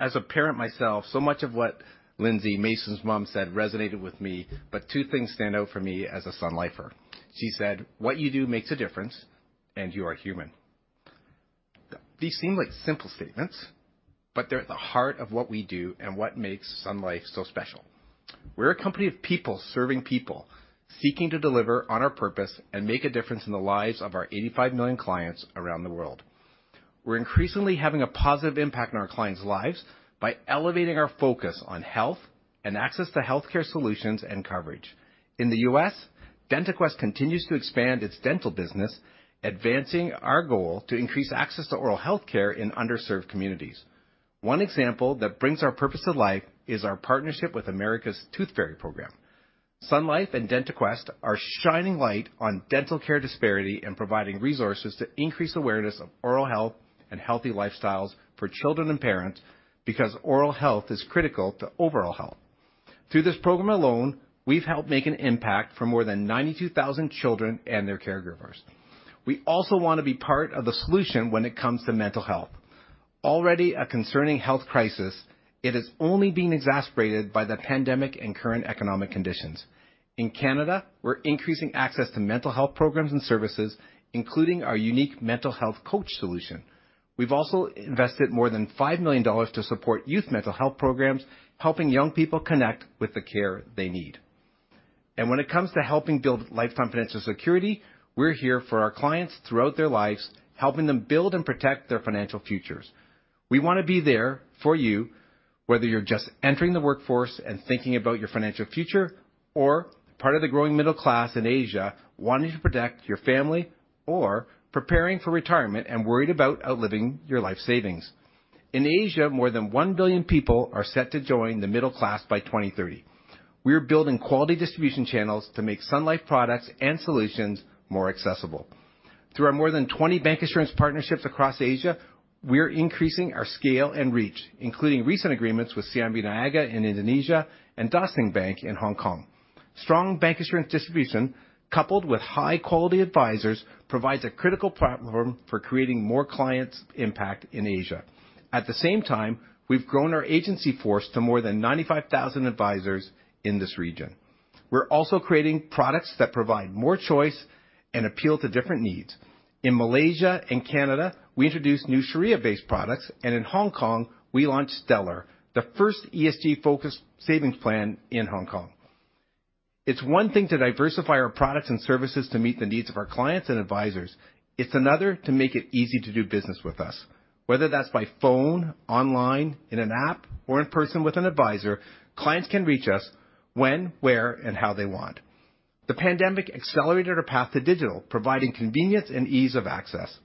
As a parent myself, so much of what Lindsay, Mason's mom, said resonated with me, but two things stand out for me as a Sun Lifer. She said, "What you do makes a difference, and you are human." These seem like simple statements, but they're at the heart of what we do and what makes Sun Life so special. We're a company of people serving people, seeking to deliver on our purpose and make a difference in the lives of our 85 million clients around the world. We're increasingly having a positive impact on our clients' lives by elevating our focus on health and access to healthcare solutions and coverage. In the U.S., DentaQuest continues to expand its dental business, advancing our goal to increase access to oral health care in underserved communities. One example that brings our purpose to life is our partnership with America's ToothFairy Program. Sun Life and DentaQuest are shining light on dental care disparity and providing resources to increase awareness of oral health and healthy lifestyles for children and parents because oral health is critical to overall health. Through this program alone, we've helped make an impact for more than 92,000 children and their caregivers. We also wanna be part of the solution when it comes to mental health. Already a concerning health crisis, it is only being exasperated by the pandemic and current economic conditions. In Canada, we're increasing access to mental health programs and services, including our unique mental health coach solution. We've also invested more than 5 million dollars to support youth mental health programs, helping young people connect with the care they need. When it comes to helping build lifetime financial security, we're here for our clients throughout their lives, helping them build and protect their financial futures. We wanna be there for you, whether you're just entering the workforce and thinking about your financial future or part of the growing middle class in Asia wanting to protect your family or preparing for retirement and worried about outliving your life savings. In Asia, more than 1 billion people are set to join the middle class by 2030. We're building quality distribution channels to make Sun Life products and solutions more accessible. Through our more than 20 bank insurance partnerships across Asia, we are increasing our scale and reach, including recent agreements with CIMB Niaga in Indonesia and Dah Sing Bank in Hong Kong. Strong bank insurance distribution coupled with high-quality advisors provides a critical platform for creating more clients impact in Asia. At the same time, we've grown our agency force to more than 95,000 advisors in this region. We're also creating products that provide more choice and appeal to different needs. In Malaysia and Canada, we introduced new Sharia-based products, and in Hong Kong, we launched Stellar, the first ESG-focused savings plan in Hong Kong. It's one thing to diversify our products and services to meet the needs of our clients and advisors. It's another to make it easy to do business with us. Whether that's by phone, online, in an app, or in person with an advisor, clients can reach us when, where, and how they want. The pandemic accelerated our path to digital, providing convenience and ease of access.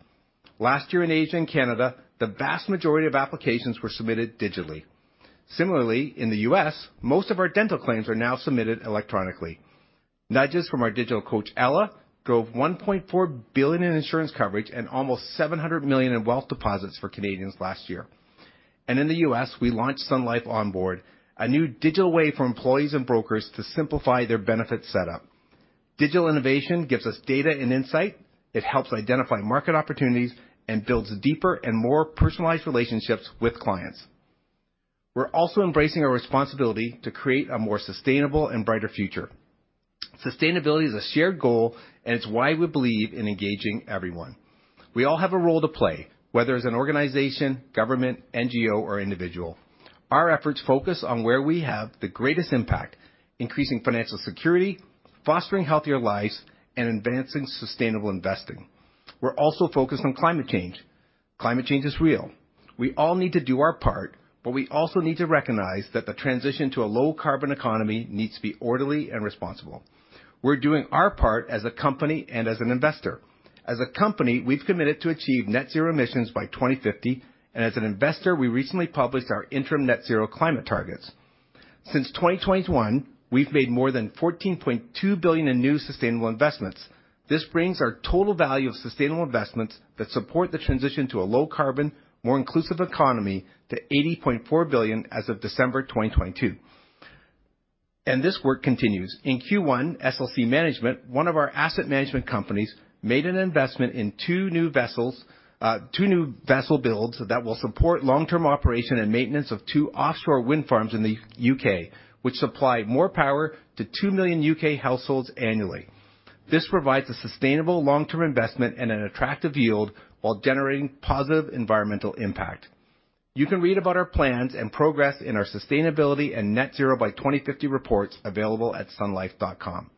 Last year in Asia and Canada, the vast majority of applications were submitted digitally. Similarly, in the U.S., most of our dental claims are now submitted electronically. Nudges from our digital coach, Ella, drove 1.4 billion in insurance coverage and almost 700 million in wealth deposits for Canadians last year. In the U.S., we launched Sun Life Onboard, a new digital way for employees and brokers to simplify their benefits setup. Digital innovation gives us data and insight. It helps identify market opportunities and builds deeper and more personalized relationships with clients. We're also embracing our responsibility to create a more sustainable and brighter future. Sustainability is a shared goal. It's why we believe in engaging everyone. We all have a role to play, whether as an organization, government, NGO, or individual. Our efforts focus on where we have the greatest impact: increasing financial security, fostering healthier lives, and advancing sustainable investing. We're also focused on climate change. Climate change is real. We all need to do our part, we also need to recognize that the transition to a low-carbon economy needs to be orderly and responsible. We're doing our part as a company and as an investor. As a company, we've committed to achieve net zero emissions by 2050, and as an investor, we recently published our interim net zero climate targets. Since 2021, we've made more than 14.2 billion in new sustainable investments. This brings our total value of sustainable investments that support the transition to a low carbon, more inclusive economy to 80.4 billion as of December 2022. This work continues. In Q1, SLC Management, one of our asset management companies, made an investment in two new vessels, two new vessel builds that will support long-term operation and maintenance of two offshore wind farms in the UK, which supply more power to 2 million UK households annually. This provides a sustainable long-term investment and an attractive yield while generating positive environmental impact. You can read about our plans and progress in our sustainability and net zero by 2050 reports available at sunlife.com.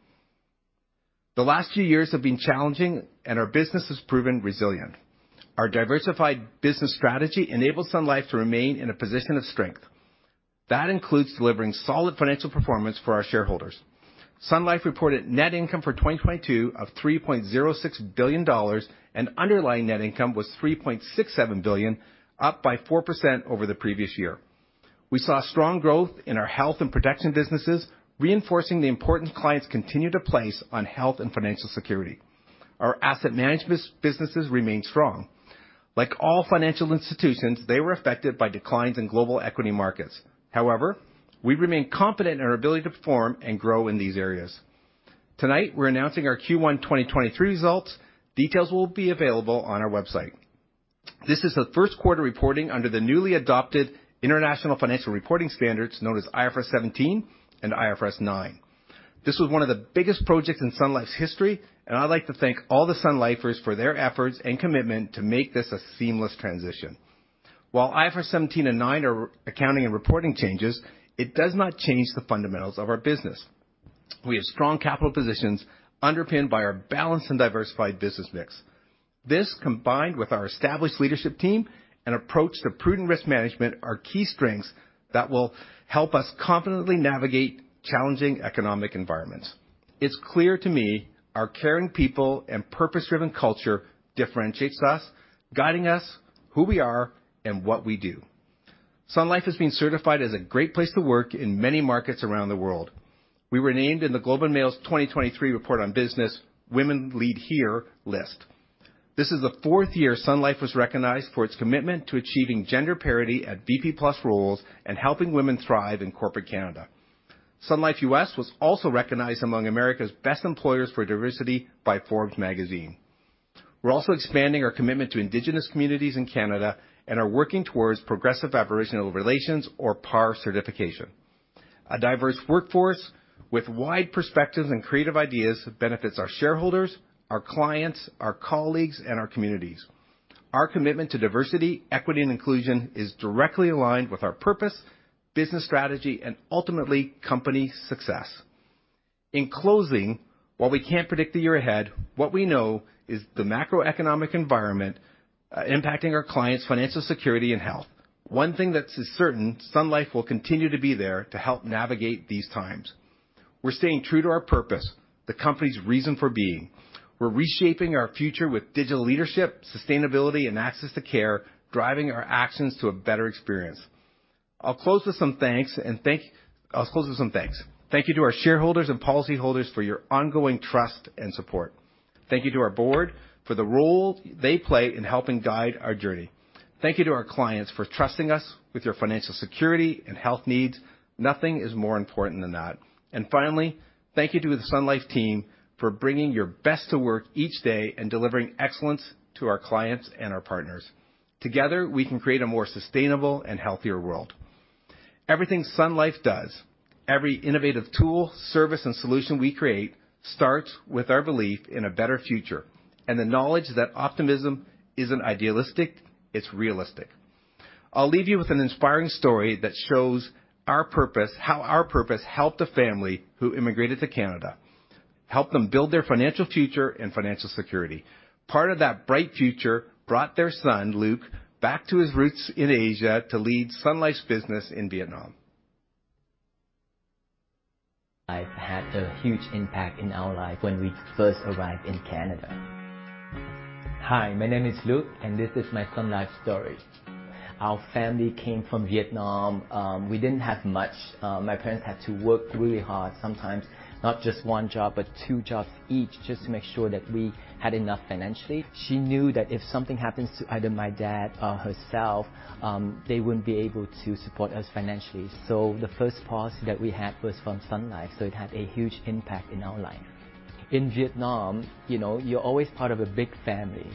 The last few years have been challenging, and our business has proven resilient. Our diversified business strategy enables Sun Life to remain in a position of strength. That includes delivering solid financial performance for our shareholders. Sun Life reported Net Income for 2022 of CAD 3.06 billion, and underlying Net Income was CAD 3.67 billion, up by 4% over the previous year. We saw strong growth in our health and protection businesses, reinforcing the important clients continue to place on health and financial security. Our asset managements businesses remain strong. Like all financial institutions, they were affected by declines in global equity markets. We remain confident in our ability to perform and grow in these areas. Tonight, we're announcing our Q1 2023 results. Details will be available on our website. This is the Q1 reporting under the newly adopted International Financial Reporting Standards, known as IFRS 17 and IFRS 9. This was one of the biggest projects in Sun Life's history. I'd like to thank all the Sun Lifers for their efforts and commitment to make this a seamless transition. While IFRS 17 and 9 are accounting and reporting changes, it does not change the fundamentals of our business. We have strong capital positions underpinned by our balanced and diversified business mix. This, combined with our established leadership team and approach to prudent risk management, are key strengths that will help us confidently navigate challenging economic environments. It's clear to me our caring people and purpose-driven culture differentiates us, guiding us, who we are, and what we do. Sun Life has been certified as a great place to work in many markets around the world. We were named in The Globe and Mail's 2023 Report on Business Women Lead Here list. This is the fourth year Sun Life was recognized for its commitment to achieving gender parity at VP plus roles and helping women thrive in corporate Canada. Sun Life U.S. was also recognized among America's Best Employers for Diversity by Forbes Magazine. We're also expanding our commitment to indigenous communities in Canada and are working towards Progressive Aboriginal Relations or PAR certification. A diverse workforce with wide perspectives and creative ideas benefits our shareholders, our clients, our colleagues, and our communities. Our commitment to diversity, equity, and inclusion is directly aligned with our purpose, business strategy, and ultimately company success. In closing, while we can't predict the year ahead, what we know is the macroeconomic environment impacting our clients' financial security and health. One thing that's as certain, Sun Life will continue to be there to help navigate these times. We're staying true to our purpose, the company's reason for being. We're reshaping our future with digital leadership, sustainability, and access to care, driving our actions to a better experience. I'll close with some thanks. Thank you to our shareholders and policyholders for your ongoing trust and support. Thank you to our Board for the role they play in helping guide our journey. Thank you to our clients for trusting us with your financial security and health needs. Nothing is more important than that. Finally, thank you to the Sun Life team for bringing your best to work each day and delivering excellence to our clients and our partners. Together, we can create a more sustainable and healthier world. Everything Sun Life does, every innovative tool, service, and solution we create starts with our belief in a better future and the knowledge that optimism isn't idealistic, it's realistic. I'll leave you with an inspiring story that shows our purpose, how our purpose helped a family who immigrated to Canada, helped them build their financial future and financial security. Part of that bright future brought their son, Luke, back to his roots in Asia to lead Sun Life's business in Vietnam. Sun Life had a huge impact in our life when we first arrived in Canada. Hi, my name is Luke. This is my Sun Life story. Our family came from Vietnam. We didn't have much. My parents had to work really hard, sometimes not just one job, but two jobs each just to make sure that we had enough financially. She knew that if something happens to either my dad or herself, they wouldn't be able to support us financially. The first policy that we had was from Sun Life. It had a huge impact in our life. In Vietnam, you know, you're always part of a big family.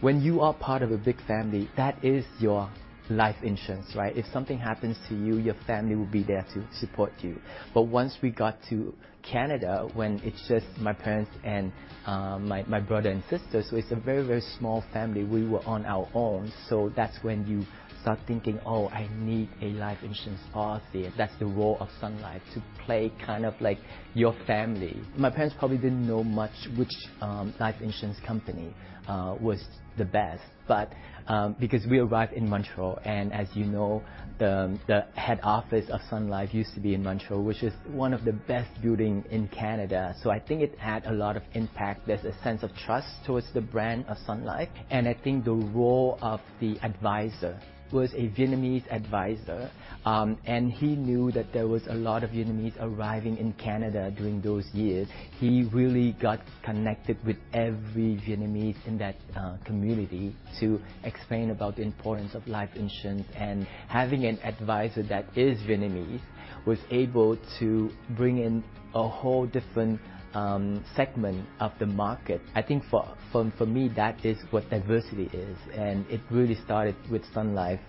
When you are part of a big family, that is your life insurance, right? If something happens to you, your family will be there to support you. Once we got to Canada, when it's just my parents and my brother and sister, so it's a very, very small family. We were on our own. That's when you start thinking, "Oh, I need a life insurance policy." That's the role of Sun Life, to play kind of like your family. My parents probably didn't know much which life insurance company was the best, but because we arrived in Montreal, and as you know, the head office of Sun Life used to be in Montreal, which is one of the best building in Canada. I think it had a lot of impact. There's a sense of trust towards the brand of Sun Life, and I think the role of the advisor was a Vietnamese advisor. He knew that there was a lot of Vietnamese arriving in Canada during those years. He really got connected with every Vietnamese in that community to explain about the importance of life insurance. Having an advisor that is Vietnamese was able to bring in a whole different segment of the market. I think for me, that is what diversity is, and it really started with Sun Life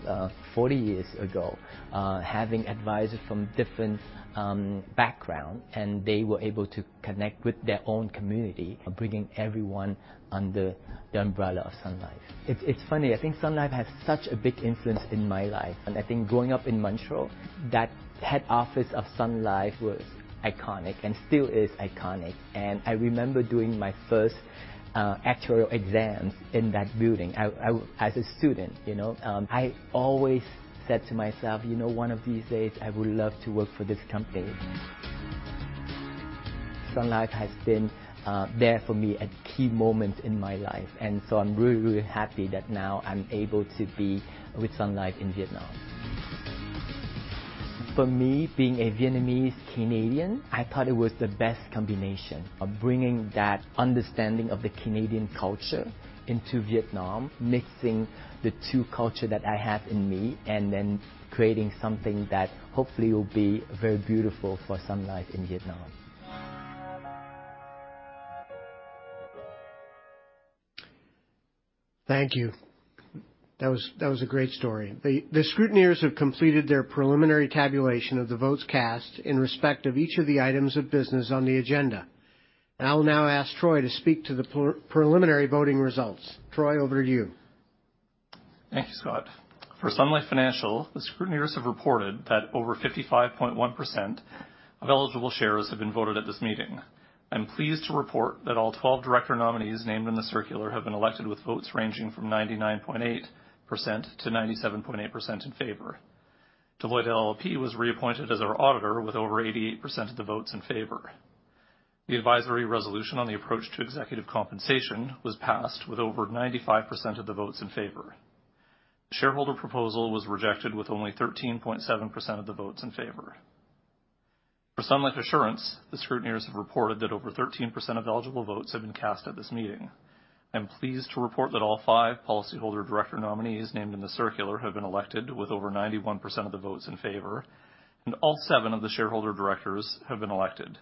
40 years ago, having advisors from different background, and they were able to connect with their own community and bringing everyone under the umbrella of Sun Life. It's funny, I think Sun Life has such a big influence in my life. I think growing up in Montreal, that head office of Sun Life was iconic and still is iconic. I remember doing my first actuarial exams in that building. As a student, you know. I always said to myself, "You know, one of these days, I would love to work for this company." Sun Life has been there for me at key moments in my life, and so I'm really, really happy that now I'm able to be with Sun Life in Vietnam. For me, being a Vietnamese Canadian, I thought it was the best combination of bringing that understanding of the Canadian culture into Vietnam, mixing the two culture that I have in me, and then creating something that hopefully will be very beautiful for Sun Life in Vietnam. Thank you. That was a great story. The scrutineers have completed their preliminary tabulation of the votes cast in respect of each of the items of business on the agenda. I will now ask Troy to speak to the preliminary voting results. Troy, over to you. Thank you, Scott. For Sun Life Financial, the scrutineers have reported that over 55.1% of eligible shares have been voted at this meeting. I'm pleased to report that all 12 director nominees named in the circular have been elected, with votes ranging from 99.8%-97.8% in favor. Deloitte LLP was reappointed as our auditor with over 88% of the votes in favor. The advisory resolution on the approach to executive compensation was passed with over 95% of the votes in favor. The shareholder proposal was rejected with only 13.7% of the votes in favor. For Sun Life Assurance, the scrutineers have reported that over 13% of eligible votes have been cast at this meeting. I'm pleased to report that all five policyholder director nominees named in the circular have been elected with over 91% of the votes in favor, and all seven of the shareholder directors have been elected.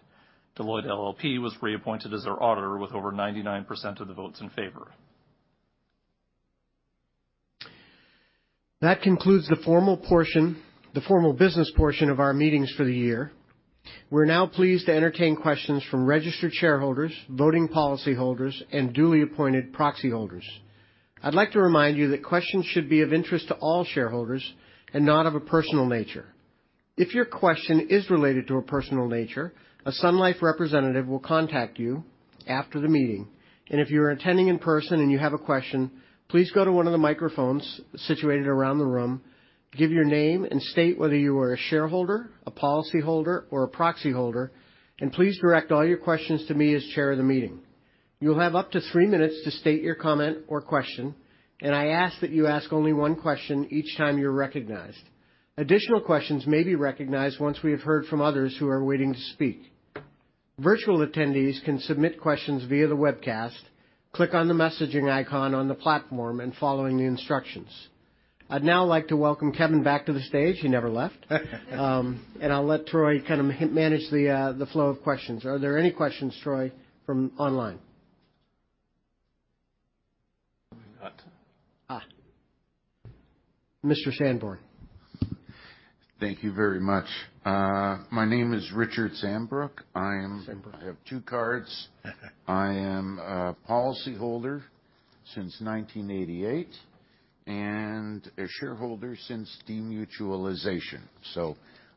Deloitte LLP was reappointed as their auditor with over 99% of the votes in favor. That concludes the formal business portion of our meetings for the year. We're now pleased to entertain questions from registered shareholders, voting policyholders, and duly appointed proxy holders. I'd like to remind you that questions should be of interest to all shareholders and not of a personal nature. If your question is related to a personal nature, a Sun Life representative will contact you after the meeting. If you're attending in person and you have a question, please go to one of the microphones situated around the room, give your name, and state whether you are a shareholder, a policyholder, or a proxy holder, and please direct all your questions to me as chair of the meeting. You'll have up to three minutes to state your comment or question, and I ask that you ask only one question each time you're recognized. Additional questions may be recognized once we have heard from others who are waiting to speak. Virtual attendees can submit questions via the webcast. Click on the messaging icon on the platform and following the instructions. I'd now like to welcome Kevin back to the stage. He never left. I'll let Troy kind of manage the flow of questions. Are there any questions, Troy, from online? Not. Mr. Sambrook. Thank you very much. My name is Richard Sambrook. Sambrook. I have two cards. I am a policyholder since 1988 and a shareholder since demutualization.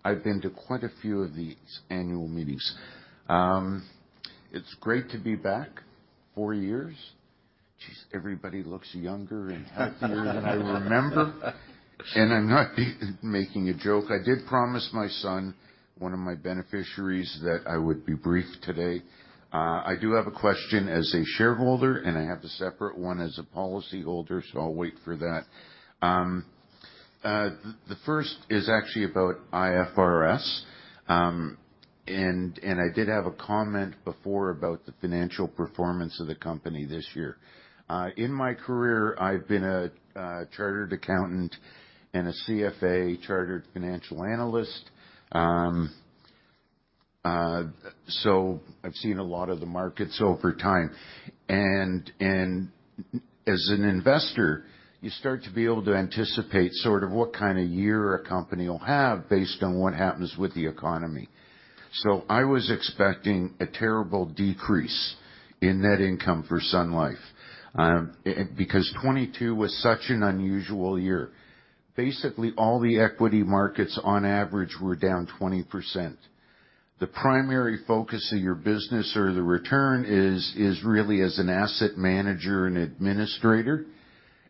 I've been to quite a few of these annual meetings. It's great to be back, four years. Geez, everybody looks younger and happier than I remember. I'm not making a joke. I did promise my son, one of my beneficiaries, that I would be brief today. I do have a question as a shareholder, and I have a separate one as a policyholder, so I'll wait for that. The first is actually about IFRS. I did have a comment before about the financial performance of the company this year. In my career, I've been a chartered accountant and a CFA chartered financial analyst. I've seen a lot of the markets over time. As an investor, you start to be able to anticipate sort of what kind of year a company will have based on what happens with the economy. I was expecting a terrible decrease in Net Income for Sun Life because 2022 was such an unusual year. Basically, all the equity markets on average were down 20%. The primary focus of your business or the return is really as an asset manager and administrator.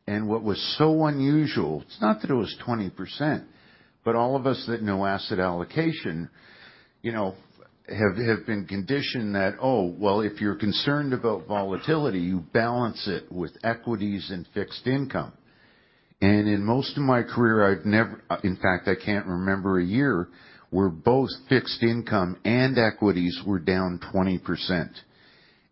What was so unusual, it's not that it was 20%, but all of us that know asset allocation, you know, have been conditioned that, "Oh, well, if you're concerned about volatility, you balance it with equities and Fixed Income." In most of my career, I've never. In fact, I can't remember a year where both Fixed Income and equities were down 20%.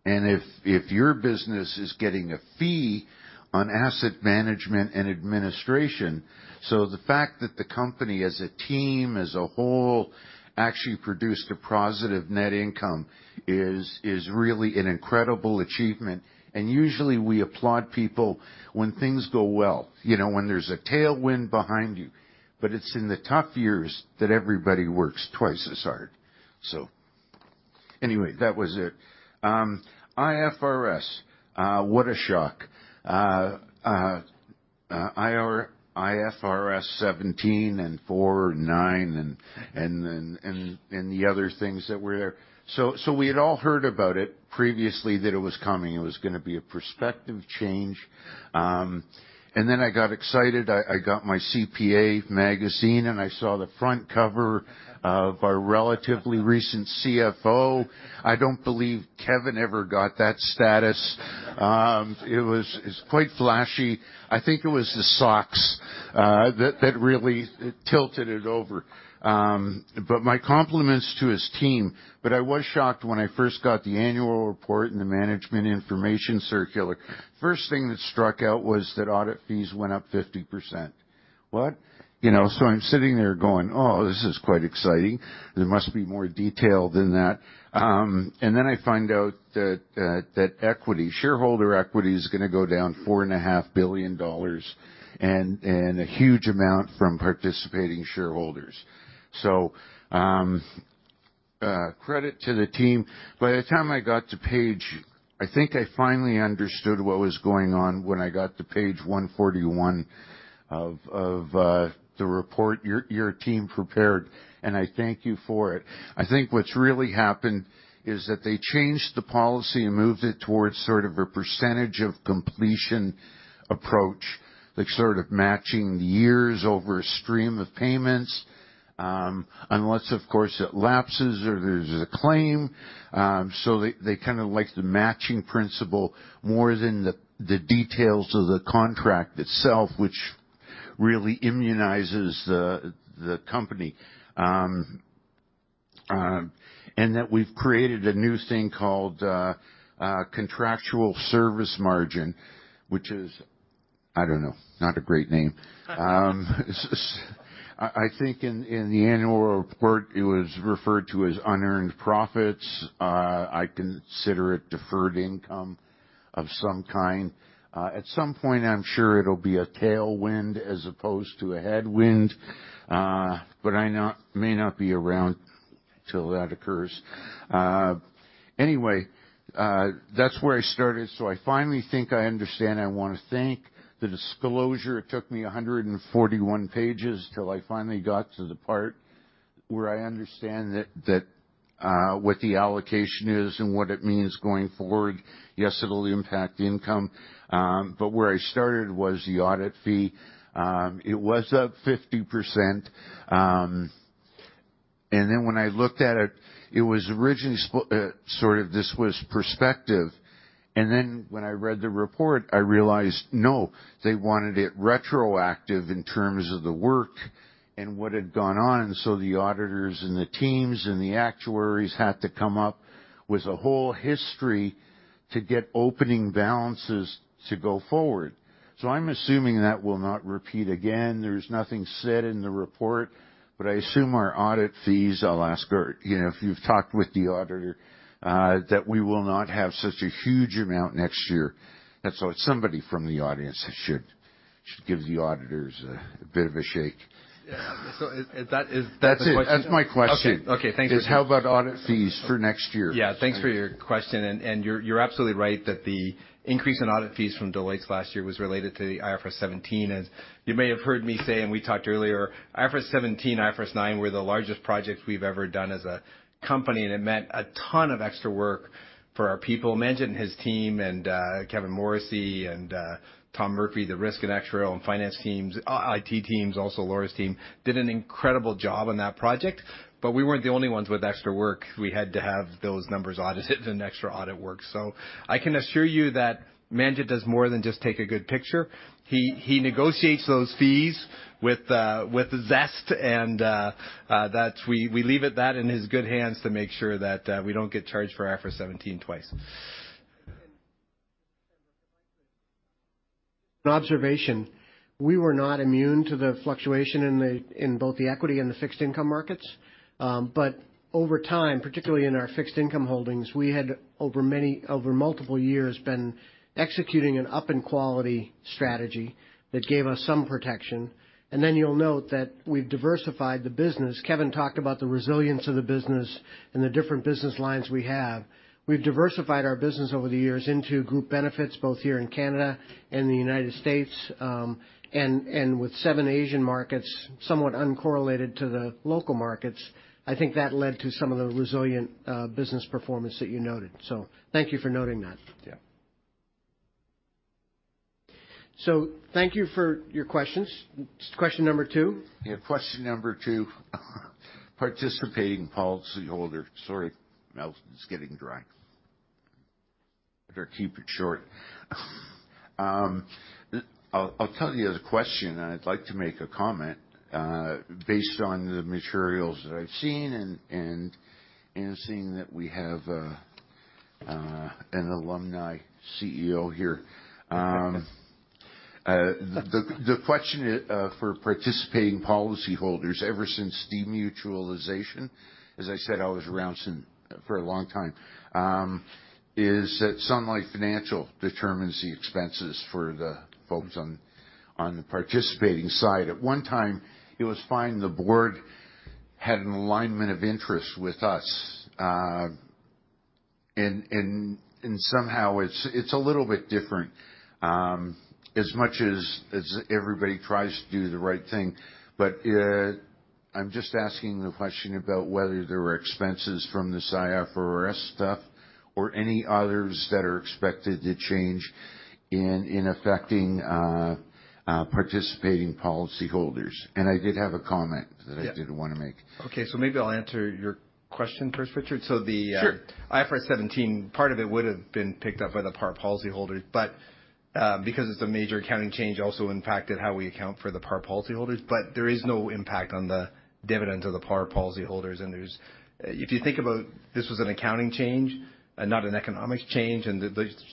If your business is getting a fee on asset management and administration so the fact that the company as a team, as a whole, actually produced a positive Net Income really an incredible achievement. Usually, we applaud people when things go well, you know, when there's a tailwind behind you. It's in the tough years that everybody works twice as hard. Anyway, that was it. IFRS, what a shock. IFRS 17 and 4 and 9 and the other things that were there. We had all heard about it previously that it was coming, it was going to be a prospective change. I got excited. I got my CPA magazine, and I saw the front cover of our relatively recent CFO. I don't believe Kevin ever got that status. It was, it's quite flashy. I think it was the socks that really tilted it over. My compliments to his team. I was shocked when I first got the annual report and the management information circular. First thing that struck out was that audit fees went up 50%. What? You know, I'm sitting there going, "Oh, this is quite exciting. There must be more detail than that." I find out that equity, shareholder equity is gonna go down four and a half billion dollars and a huge amount from participating shareholders. Credit to the team. By the time I got to page... I think I finally understood what was going on when I got to page 141 of the report your team prepared, and I thank you for it. I think what's really happened is that they changed the policy and moved it towards sort of a percentage of completion approach, like sort of matching years over a stream of payments, unless, of course, it lapses or there's a claim. They kind of like the matching principle more than the details of the contract itself, which really immunizes the company. That we've created a new thing called contractual service margin, which is, I don't know, not a great name. I think in the annual report, it was referred to as unearned profits. I consider it deferred income of some kind. At some point, I'm sure it'll be a tailwind as opposed to a headwind. I may not be around till that occurs. Anyway, that's where I started. I finally think I understand. I want to thank the disclosure. It took me 141 pages till I finally got to the part where I understand what the allocation is and what it means going forward. Yes, it'll impact income. Where I started was the audit fee. It was up 50%. When I looked at it was originally sort of this was perspective. When I read the report, I realized, no, they wanted it retroactive in terms of the work and what had gone on. The auditors and the teams and the actuaries had to come up with a whole history to get opening balances to go forward. I'm assuming that will not repeat again. There's nothing said in the report, but I assume our audit fees, I'll ask, or, you know, if you've talked with the auditor, that we will not have such a huge amount next year. It's somebody from the audience that should give the auditors a bit of a shake. Yeah. Is that? That's it. That's my question. Okay. Okay. Thanks for that. Is how about audit fees for next year? Thanks for your question. You're absolutely right that the increase in audit fees from Deloitte last year was related to the IFRS 17. As you may have heard me say, and we talked earlier, IFRS 17, IFRS 9 were the largest projects we've ever done as a company, and it meant a ton of extra work for our people. Manjit and his team, Kevin Morrissey and Tom Murphy, the risk and actuarial and finance teams, IT teams also, Laura's team, did an incredible job on that project. We weren't the only ones with extra work. We had to have those numbers audited and extra audit work. I can assure you that Manjit does more than just take a good picture. He negotiates those fees with zest and that we leave it that in his good hands to make sure that we don't get charged for IFRS 17 twice. An observation. We were not immune to the fluctuation in both the equity and the Fixed Income markets. Over time, particularly in our Fixed Income holdings, we had over multiple years been executing an up in quality strategy that gave us some protection. Then you'll note that we've diversified the business. Kevin talked about the resilience of the business and the different business lines we have. We've diversified our business over the years into group benefits, both here in Canada and the United States, and with seven Asian markets, somewhat uncorrelated to the local markets. I think that led to some of the resilient business performance that you noted. Thank you for noting that. Yeah. Thank you for your questions. Question number two. Yeah. Question number two. Participating policyholder. Sorry, mouth is getting dry. Better keep it short. I'll tell you the question, and I'd like to make a comment based on the materials that I've seen and seeing that we have an alumni CEO here. The question for participating policyholders, ever since demutualization, as I said, I was around since... for a long time, is that Sun Life Financial determines the expenses for the folks on the participating side. At one time, it was fine. The Board had an alignment of interest with us. Somehow it's a little bit different, as much as everybody tries to do the right thing, but I'm just asking the question about whether there were expenses from the IFRS stuff or any others that are expected to change in affecting participating policyholders. I did have a comment. Yeah. that I did wanna make. Okay. Maybe I'll answer your question first, Richard. Sure. IFRS 17, part of it would've been picked up by the par policyholders, but, because it's a major accounting change, also impacted how we account for the par policyholders. There is no impact on the dividend of the par policyholders. If you think about this was an accounting change and not an economic change, and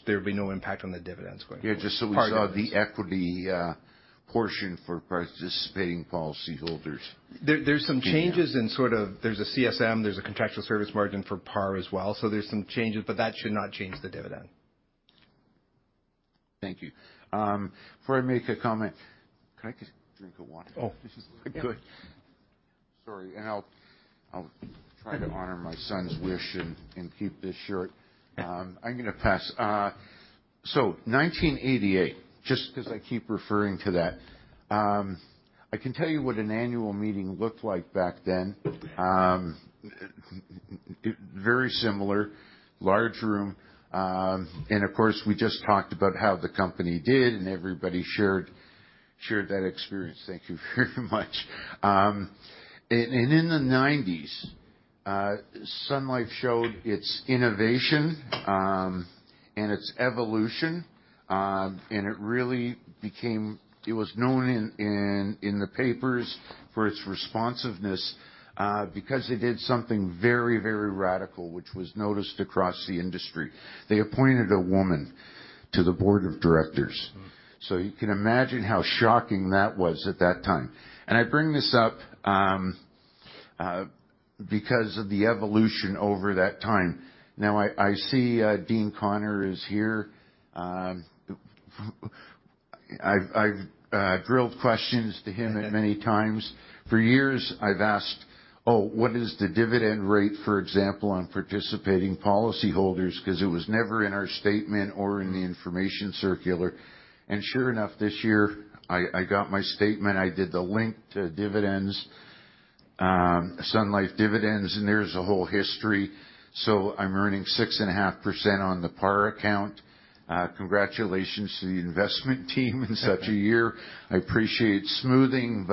there'd be no impact on the dividends going forward. Yeah, we saw the equity portion for participating policyholders. There's some changes in sort of there's a CSM, there's a contractual service margin for par as well. There's some changes, but that should not change the dividend. Thank you. Before I make a comment, can I just drink a water? Oh. This is really good. Sorry, I'll try to honor my son's wish and keep this short. I'm gonna pass. 1988, just 'cause I keep referring to that, I can tell you what an annual meeting looked like back then. Very similar, large room. Of course, we just talked about how the company did and everybody shared that experience. Thank you very much. In the 90s, Sun Life showed its innovation and its evolution. It was known in the papers for its responsiveness because it did something very radical, which was noticed across the industry. They appointed a woman to the Board of Directors. You can imagine how shocking that was at that time. I bring this up because of the evolution over that time. Now I see Dean Connor is here. I've drilled questions to him at many times. For years, I've asked, "Oh, what is the dividend rate, for example, on participating policyholders?" 'Cause it was never in our statement or in the information circular. Sure enough, this year I got my statement. I did the link to dividends, Sun Life dividends, and there's a whole history. I'm earning 6.5% on the par account. Congratulations to the investment team in such a year. I appreciate smoothing,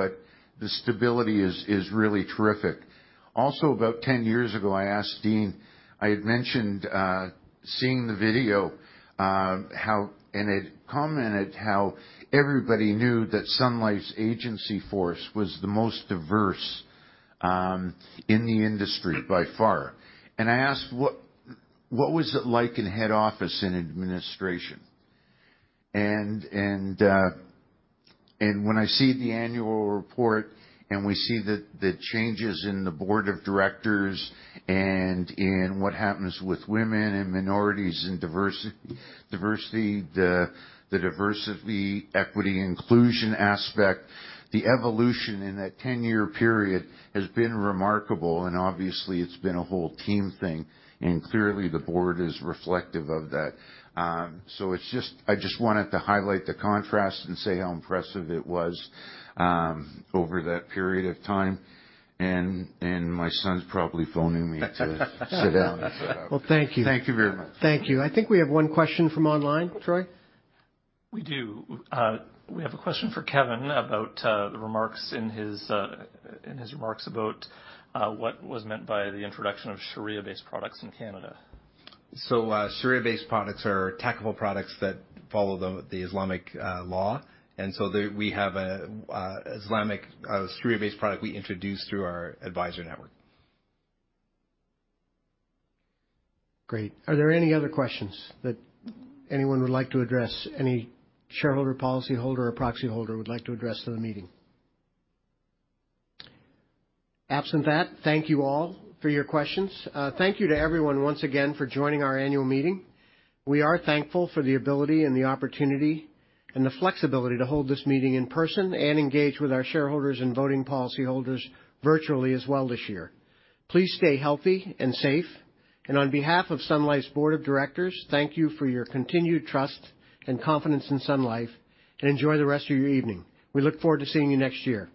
the stability is really terrific. Also, about 10 years ago, I asked Dean, I had mentioned seeing the video. It commented how everybody knew that Sun Life's agency force was the most diverse in the industry by far. I asked, "What, what was it like in head office and administration?" When I see the annual report, and we see the changes in the Board of Directors and in what happens with women and minorities and diversity, the diversity, equity, and inclusion aspect, the evolution in that 10-year period has been remarkable, and obviously, it's been a whole team thing. Clearly, the Board is reflective of that. It's just... I just wanted to highlight the contrast and say how impressive it was over that period of time. My son's probably phoning me to sit down. Well, thank you. Thank you very much. Thank you. I think we have one question from online, Troy. We do. We have a question for Kevin about the remarks in his remarks about what was meant by the introduction of Sharia-based products in Canada. Sharia-based products are technical products that follow the Islamic law. We have a Islamic Sharia-based product we introduced through our advisor network. Great. Are there any other questions that anyone would like to address? Any shareholder, policyholder, or proxy holder would like to address to the meeting? Absent that, thank you all for your questions. Thank you to everyone once again for joining our annual meeting. We are thankful for the ability and the opportunity and the flexibility to hold this meeting in person and engage with our shareholders and voting policyholders virtually as well this year. Please stay healthy and safe. On behalf of Sun Life's Board of Directors, thank you for your continued trust and confidence in Sun Life, and enjoy the rest of your evening. We look forward to seeing you next year.